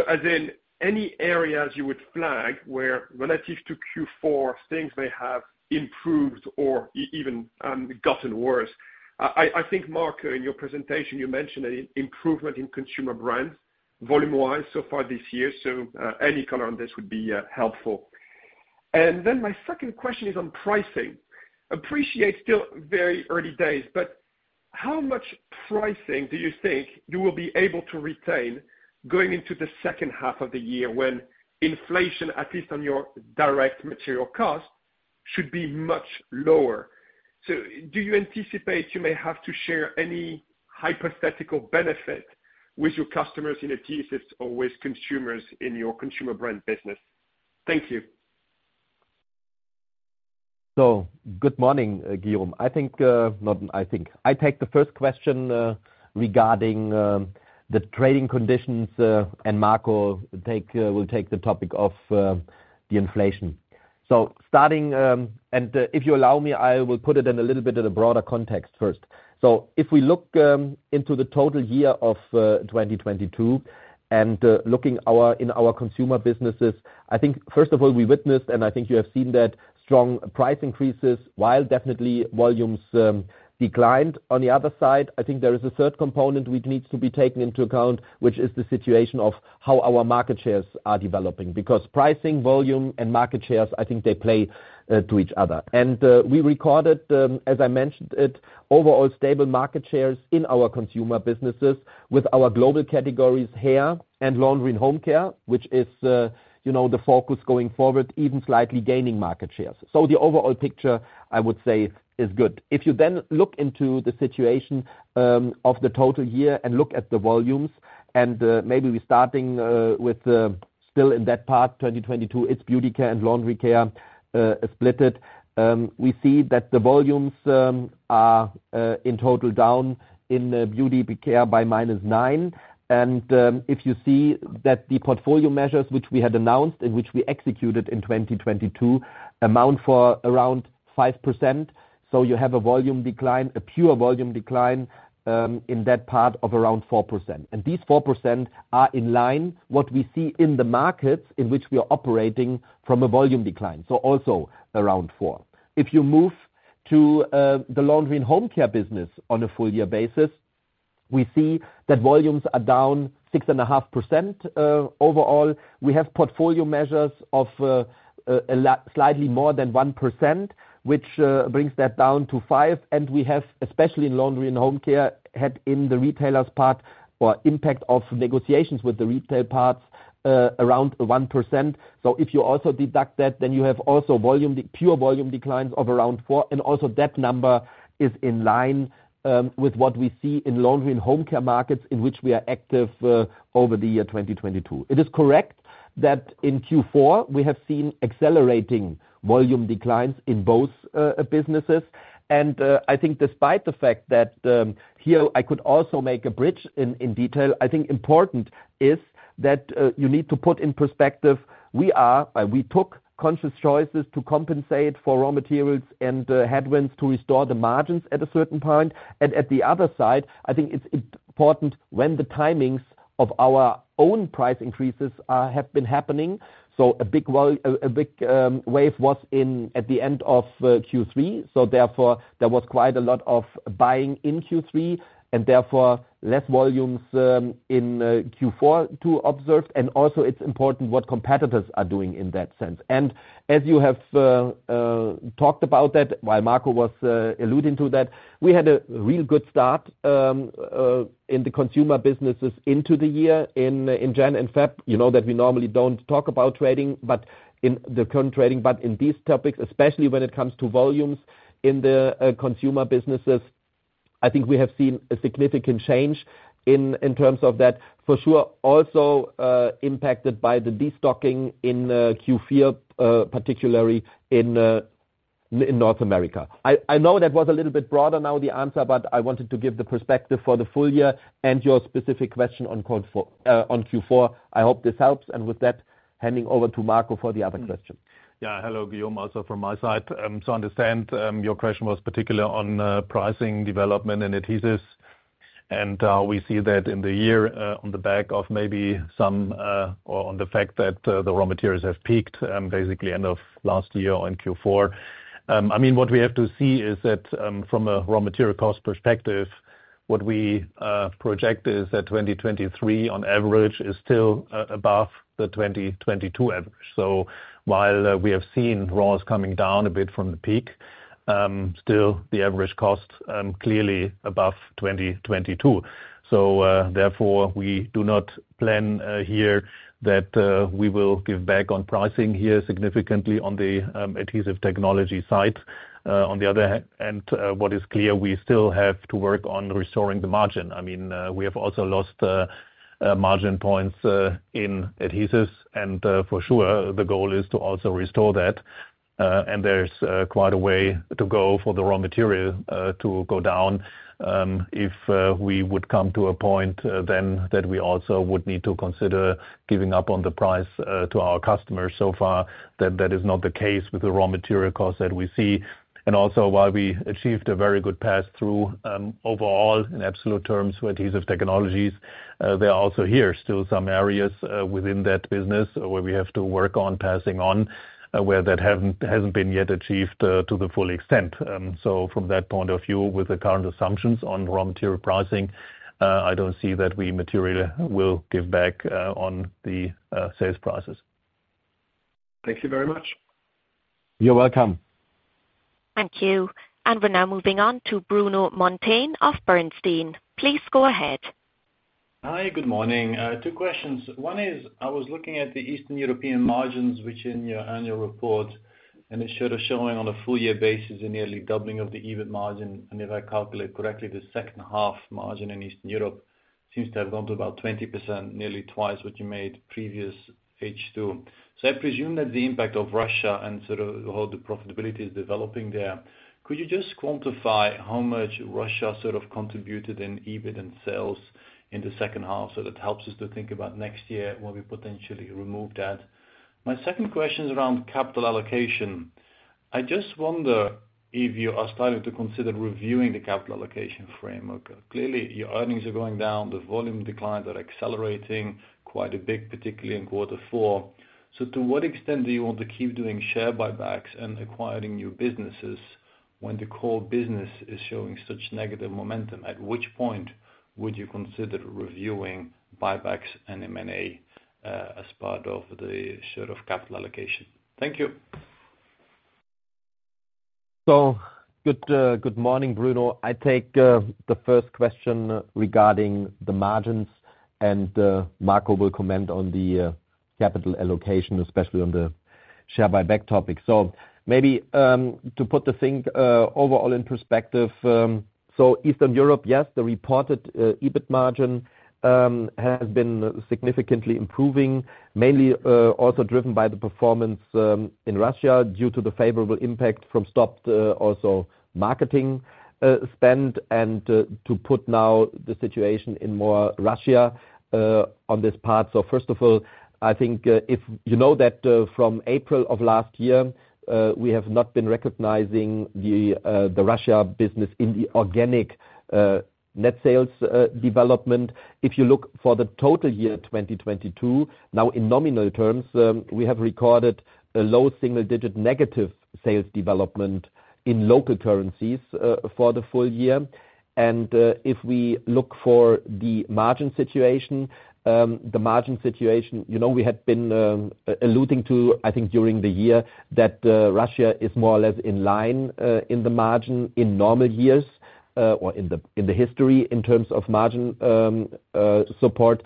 As in any areas you would flag where relative to Q4 things may have improved or even gotten worse. I think, Marco, in your presentation, you mentioned an improvement in Consumer Brands volume-wise so far this year. Any color on this would be helpful. My second question is on pricing. Appreciate still very early days, how much pricing do you think you will be able to retain going into the second half of the year when inflation, at least on your direct material cost, should be much lower? Do you anticipate you may have to share any hypothetical benefit with your customers in adhesives or with consumers in your consumer brand business? Thank you. Good morning, Guillaume. I think, not I think. I take the first question regarding the trading conditions, and Marco will take the topic of the inflation. Starting, and if you allow me, I will put it in a little bit of a broader context first. If we look into the total year of 2022 and looking our, in our consumer businesses, I think first of all, we witnessed, and I think you have seen that strong price increases while definitely volumes declined on the other side. I think there is a third component which needs to be taken into account, which is the situation of how our market shares are developing because pricing, volume, and market shares, I think they play to each other. We recorded, as I mentioned it, overall stable market shares in our consumer businesses with our global categories, hair and laundry and home care, which is, you know, the focus going forward, even slightly gaining market shares. The overall picture, I would say, is good. If you then look into the situation of the total year and look at the volumes, maybe we're starting with still in that part, 2022, it's Beauty Care and Laundry Care splitted. We see that the volumes are in total down in Beauty Care by -9%. If you see that the portfolio measures which we had announced and which we executed in 2022 amount for around 5%. You have a volume decline, a pure volume decline, in that part of around 4%. These 4% are in line what we see in the markets in which we are operating from a volume decline. Also around four. If you move to the Laundry & Home Care business on a full year basis, we see that volumes are down 6.5% overall. We have portfolio measures of slightly more than 1%, which brings that down to five. We have, especially in Laundry & Home Care, had in the retailers part or impact of negotiations with the retail parts, around 1%. If you also deduct that, then you have also volume pure volume declines of around 4%, and also that number is in line with what we see in laundry and home care markets in which we are active over the year 2022. It is correct that in Q4, we have seen accelerating volume declines in both businesses. I think despite the fact that here I could also make a bridge in detail, I think important is that you need to put in perspective, we are we took conscious choices to compensate for raw materials and the headwinds to restore the margins at a certain point. At the other side, I think it's important when the timings of our own price increases have been happening. A big wave was in at the end of Q3. Therefore, there was quite a lot of buying in Q3, and therefore less volumes in Q4 to observe. Also, it's important what competitors are doing in that sense. As you have talked about that, while Marco was alluding to that, we had a real good start in the consumer businesses into the year in January and February, you know that we normally don't talk about trading, but in the current trading. In these topics, especially when it comes to volumes in the consumer businesses, I think we have seen a significant change in terms of that. For sure, also, impacted by the destocking in Q4, particularly in North America. I know that was a little bit broader now, the answer, but I wanted to give the perspective for the full year and your specific question on Q4. I hope this helps. With that, handing over to Marco for the other question. Hello, Guillaume. Also from my side, to understand, your question was particular on pricing development and adhesives. We see that in the year, on the back of maybe some or on the fact that the raw materials have peaked basically end of last year on Q4. I mean, what we have to see is that from a raw material cost perspective, what we project is that 2023 on average is still above the 2022 average. While we have seen raws coming down a bit from the peak, still the average cost clearly above 2022. Therefore, we do not plan here that we will give back on pricing here significantly on the Adhesive Technologies side. On the other hand, what is clear, we still have to work on restoring the margin. I mean, we have also lost margin points in adhesives. For sure the goal is to also restore that. There's quite a way to go for the raw material to go down. If we would come to a point, then that we also would need to consider giving up on the price to our customers. So far that is not the case with the raw material costs that we see. Also, while we achieved a very good pass through, overall in absolute terms with Adhesive Technologies, there are also here still some areas within that business where we have to work on passing on, where that hasn't been yet achieved to the full extent. From that point of view, with the current assumptions on raw material pricing, I don't see that we materially will give back on the sales prices. Thank you very much. You're welcome. Thank you. We're now moving on to Bruno Monteyne of Bernstein. Please go ahead. Hi. Good morning. two questions. One is, I was looking at the Eastern European margins, which in your annual report, and it showed a showing on a full year basis, a nearly doubling of the EBIT margin. If I calculate correctly, the second half margin in Eastern Europe seems to have gone to about 20%, nearly twice what you made previous H2. I presume that the impact of Russia and sort of how the profitability is developing there, could you just quantify how much Russia sort of contributed in EBIT and sales in the second half? That helps us to think about next year when we potentially remove that. My second question is around capital allocation. I just wonder if you are starting to consider reviewing the capital allocation framework. Clearly, your earnings are going down, the volume declines are accelerating quite a bit, particularly in quarter four. To what extent do you want to keep doing share buybacks and acquiring new businesses when the core business is showing such negative momentum? At which point would you consider reviewing buybacks and M&A as part of the sort of capital allocation? Thank you. Good morning, Bruno. I take the first question regarding the margins. Marco will comment on the capital allocation, especially on the share buyback topic. Maybe, to put the thing overall in perspective, Eastern Europe, yes, the reported EBIT margin has been significantly improving. Mainly, also driven by the performance in Russia due to the favorable impact from stopped, also marketing spend. To put now the situation in more Russia on this part. First of all, I think, if you know that, from April of last year, we have not been recognizing the Russia business in the organic net sales development. If you look for the total year 2022, now in nominal terms, we have recorded a low single digit negative sales development in local currencies, for the full year. If we look for the margin situation, the margin situation, you know, we had been alluding to, I think during the year that Russia is more or less in line, in the margin in normal years, or in the history in terms of margin, support.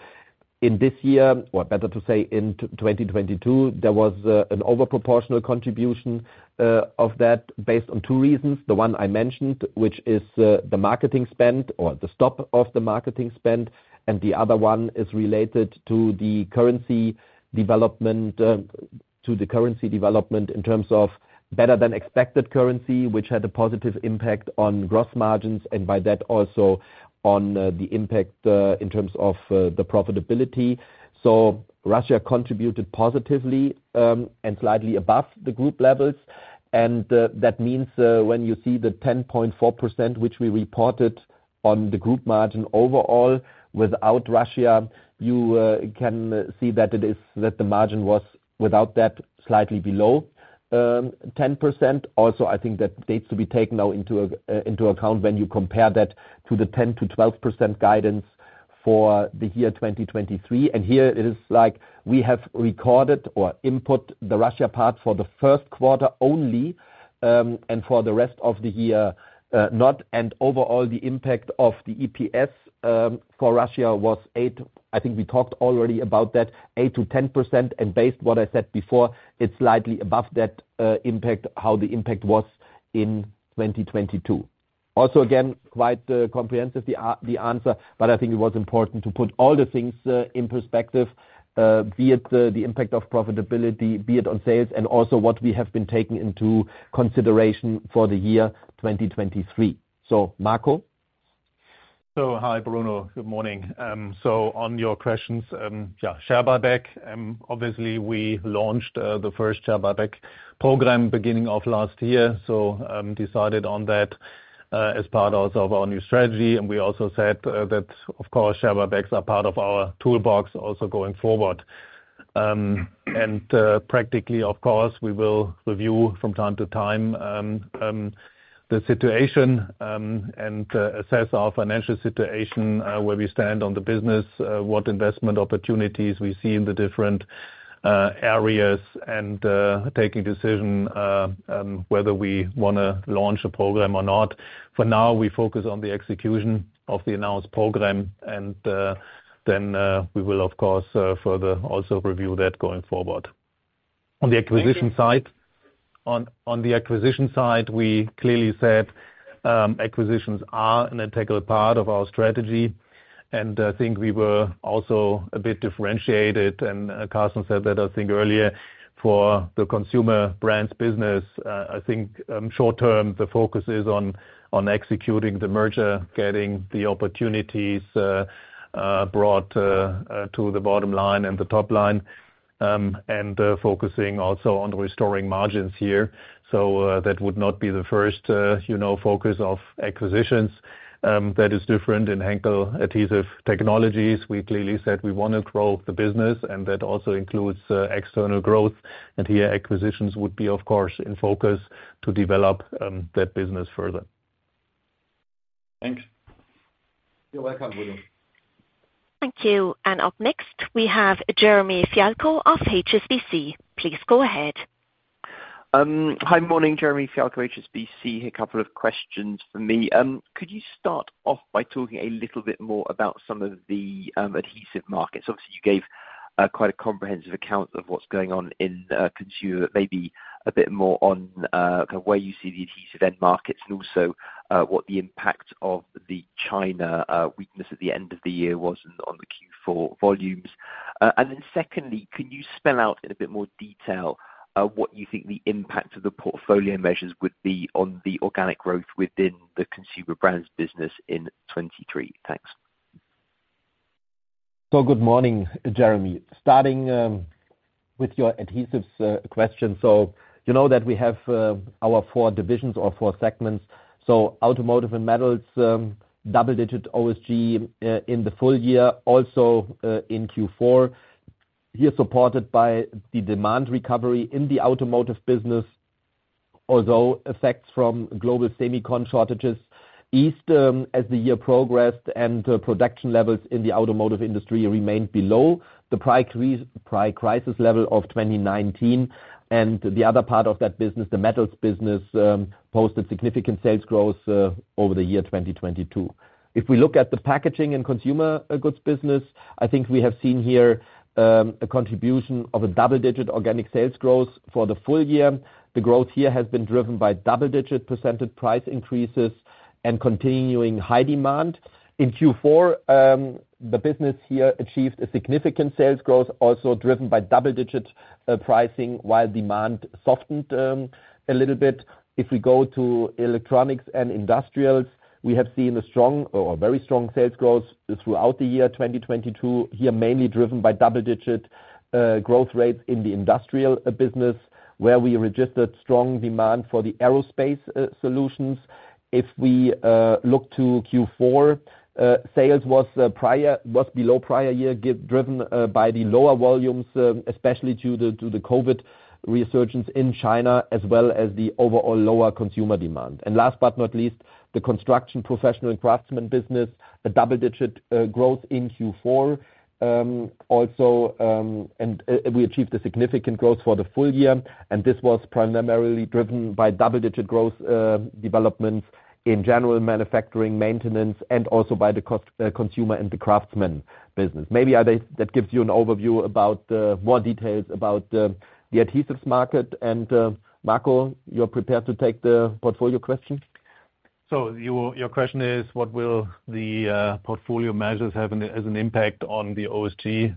In this year, or better to say in 2022, there was an over proportional contribution of that based on 2 reasons. The one I mentioned, which is, the marketing spend or the stop of the marketing spend, and the other one is related to the currency development in terms of better than expected currency, which had a positive impact on gross margins, and by that also on, the impact, in terms of, the profitability. Russia contributed positively, and slightly above the group levels. That means, when you see the 10.4%, which we reported on the group margin overall, without Russia, you, can see that it is, that the margin was without that slightly below, 10%. I think that needs to be taken now into account when you compare that to the 10%-12% guidance for the year 2023. Here it is like we have recorded or input the Russia part for the first quarter only, and for the rest of the year, not. overall, the impact of the EPS for Russia was 8%. I think we talked already about that, 8%-10%. based what I said before, it's slightly above that impact, how the impact was in 2022. Also, again, quite comprehensive the answer, but I think it was important to put all the things in perspective, be it the impact of profitability, be it on sales and also what we have been taking into consideration for the year 2023. Marco? Hi, Bruno. Good morning. On your questions, yeah, share buyback. Obviously we launched the first share buyback program beginning of last year, decided on that as part also of our new strategy. We also said that of course, share buybacks are part of our toolbox also going forward. Practically of course, we will review from time to time the situation and assess our financial situation, where we stand on the business, what investment opportunities we see in the different areas and taking decision whether we wanna launch a program or not. For now, we focus on the execution of the announced program and then we will of course, further also review that going forward. On the acquisition side, on the acquisition side, we clearly said acquisitions are an integral part of our strategy. I think we were also a bit differentiated, and Carsten said that I think earlier, for the Consumer Brands business. I think, short-term the focus is on executing the merger, getting the opportunities brought to the bottom line and the top line, and focusing also on restoring margins here. That would not be the first, you know, focus of acquisitions. That is different in Henkel Adhesive Technologies. We clearly said we wanna grow the business and that also includes external growth. Here acquisitions would be, of course, in focus to develop that business further. Thanks. You're welcome, Bruno. Thank you. Up next we have Jeremy Fialko of HSBC. Please go ahead. Hi. Morning. Jeremy Fialko, HSBC. A couple of questions for me. Could you start off by talking a little bit more about some of the adhesive markets? Obviously, you gave quite a comprehensive account of what's going on in consumer. Maybe a bit more on kind of where you see the adhesive end markets and also what the impact of the China weakness at the end of the year was on the Q4 volumes. Then secondly, can you spell out in a bit more detail what you think the impact of the portfolio measures would be on the organic growth within the Consumer Brands business in 2023? Thanks. Good morning, Jeremy. Starting with your adhesives question. You know that we have our four divisions or four segments. Automotive and metals, double-digit OSG in the full year, also in Q4, here supported by the demand recovery in the automotive business. Although effects from global semicon shortages eased as the year progressed and production levels in the automotive industry remained below the pre-crisis level of 2019. The other part of that business, the metals business, posted significant sales growth over the year 2022. If we look at the packaging and consumer goods business, I think we have seen here a contribution of a double-digit organic sales growth for the full year. The growth here has been driven by double-digit % price increases and continuing high demand. In Q4, the business here achieved a significant sales growth, also driven by double-digit pricing while demand softened a little bit. If we go to electronics and industrials, we have seen a strong or very strong sales growth throughout the year 2022, here mainly driven by double-digit growth rates in the industrial business, where we registered strong demand for the aerospace solutions. If we look to Q4, sales was prior, was below prior year driven by the lower volumes, especially due to the COVID resurgence in China as well as the overall lower consumer demand. Last but not least, the construction professional and craftsman business, a double-digit growth in Q4. Also, we achieved a significant growth for the full year, this was primarily driven by double-digit growth developments in general manufacturing, maintenance and also by the consumer and the craftsman business. Maybe that gives you an overview about more details about the adhesives market and Marco, you're prepared to take the portfolio questions? So, your question is what will the portfolio measures have as an impact on the OSG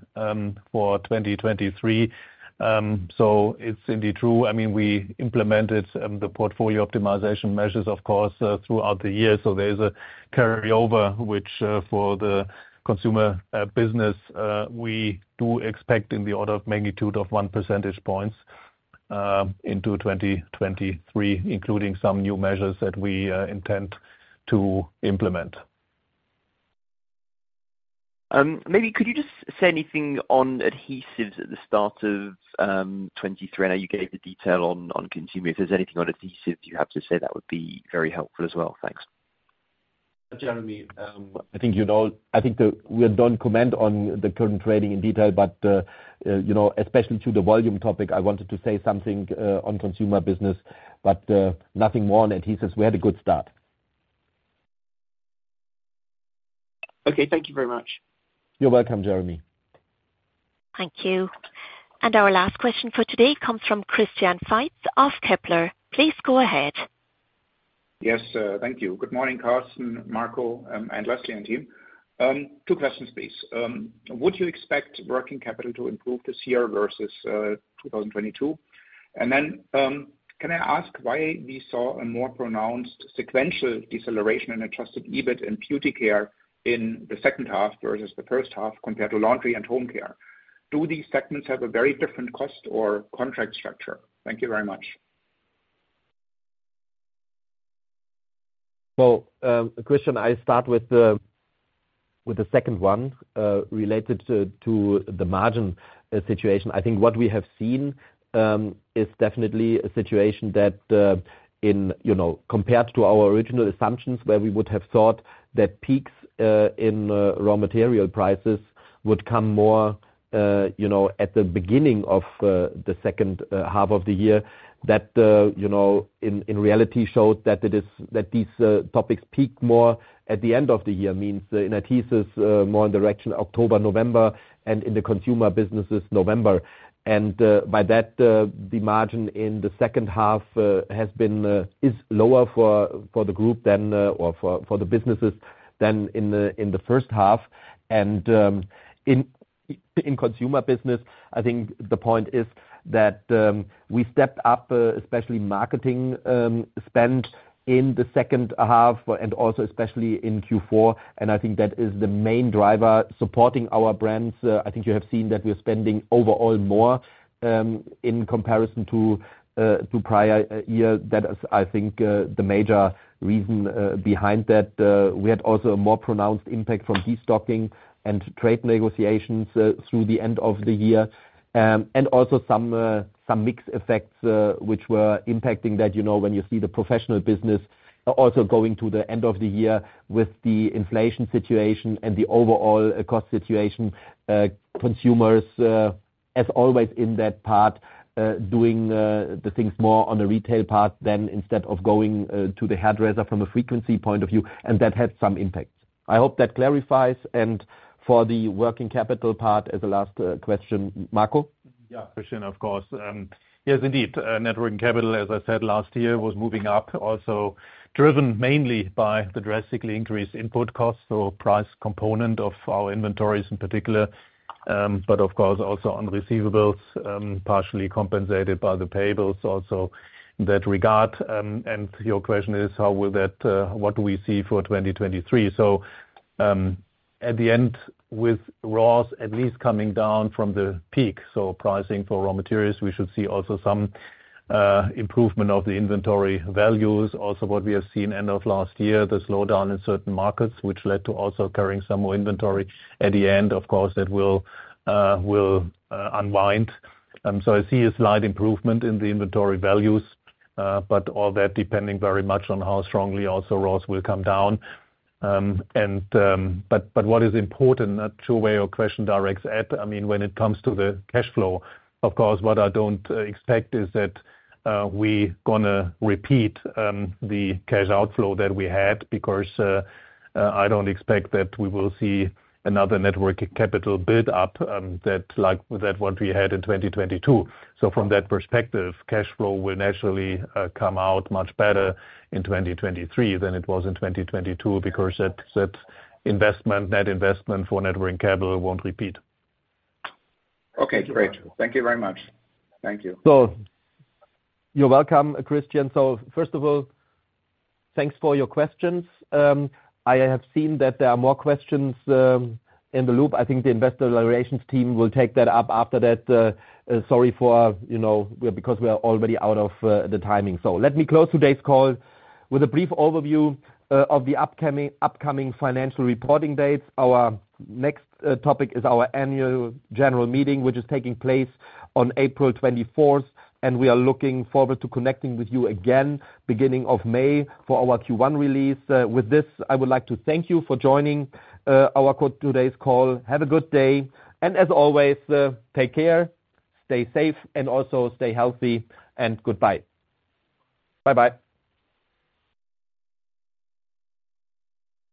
for 2023? It's indeed true. I mean, we implemented the portfolio optimization measures, of course, throughout the year. There's a carryover, which for the consumer business, we do expect in the order of magnitude of 1 percentage points into 2023, including some new measures that we intend to implement. Maybe could you just say anything on adhesives at the start of 2023? I know you gave the detail on consumer. If there's anything on adhesives you have to say that would be very helpful as well. Thanks. Jeremy, I think you know, I think we don't comment on the current trading in detail. You know, especially to the volume topic, I wanted to say something on consumer business. Nothing more on adhesives. We had a good start. Okay. Thank you very much. You're welcome, Jeremy. Thank you. Our last question for today comes from Christian Faitz of Kepler. Please go ahead. Yes, thank you. Good morning Carsten, Marco, and Leslie and team. Two questions please. Would you expect working capital to improve this year versus 2022? Can I ask why we saw a more pronounced sequential deceleration in adjusted EBIT and Beauty Care in the second half versus the first half compared to Laundry and Home Care? Do these segments have a very different cost or contract structure? Thank you very much. Well, Christian, I start with the second one, related to the margin situation. I think what we have seen is definitely a situation that, in, you know, compared to our original assumptions, where we would have thought that peaks in raw material prices would come more, you know, at the beginning of the second half of the year that, you know, in reality showed that these topics peak more at the end of the year. Means in adhesives, more in the direction of October, November, and in the consumer business is November. By that, the margin in the second half has been, is lower for the group than, or for the businesses than in the first half. In consumer business, I think the point is that we stepped up especially marketing spend in the second half and also especially in Q4. I think that is the main driver supporting our brands. I think you have seen that we're spending overall more in comparison to prior year. That is, I think, the major reason behind that. We had also a more pronounced impact from destocking and trade negotiations through the end of the year. Also some mix effects which were impacting that, you know, when you see the professional business also going to the end of the year with the inflation situation and the overall cost situation. Consumers, as always in that part, doing the things more on the retail part than instead of going to the hairdresser from a frequency point of view. That had some impacts. I hope that clarifies. For the working capital part as the last question, Marco? Yeah. Christian, of course. Yes, indeed. Net working capital, as I said last year was moving up, also driven mainly by the drastically increased input costs, so price component of our inventories in particular, but of course also on receivables, partially compensated by the payables also in that regard. Your question is, how will that, what do we see for 2023? At the end, with raws at least coming down from the peak, pricing for raw materials, we should see also some improvement of the inventory values. What we have seen end of last year, the slowdown in certain markets which led to also carrying some more inventory at the end. That will unwind. I see a slight improvement in the inventory values, but all that depending very much on how strongly also raws will come down. But what is important, to where your question directs at, I mean, when it comes to the cash flow, of course, what I don't expect is that we gonna repeat the cash outflow that we had because I don't expect that we will see another net working capital build up, that like, that what we had in 2022. From that perspective, cash flow will naturally come out much better in 2023 than it was in 2022 because that investment, net investment for net working capital won't repeat. Okay, great. Thank you very much. Thank you. You're welcome, Christian. First of all, thanks for your questions. I have seen that there are more questions in the loop. I think the investor relations team will take that up after that. Sorry for, you know, because we are already out of the timing. Let me close today's call with a brief overview of the upcoming financial reporting dates. Our next topic is our annual general meeting, which is taking place on April 24th, and we are looking forward to connecting with you again beginning of May for our Q1 release. With this, I would like to thank you for joining our today's call. Have a good day, as always, take care, stay safe, and also stay healthy, and goodbye. Bye-bye.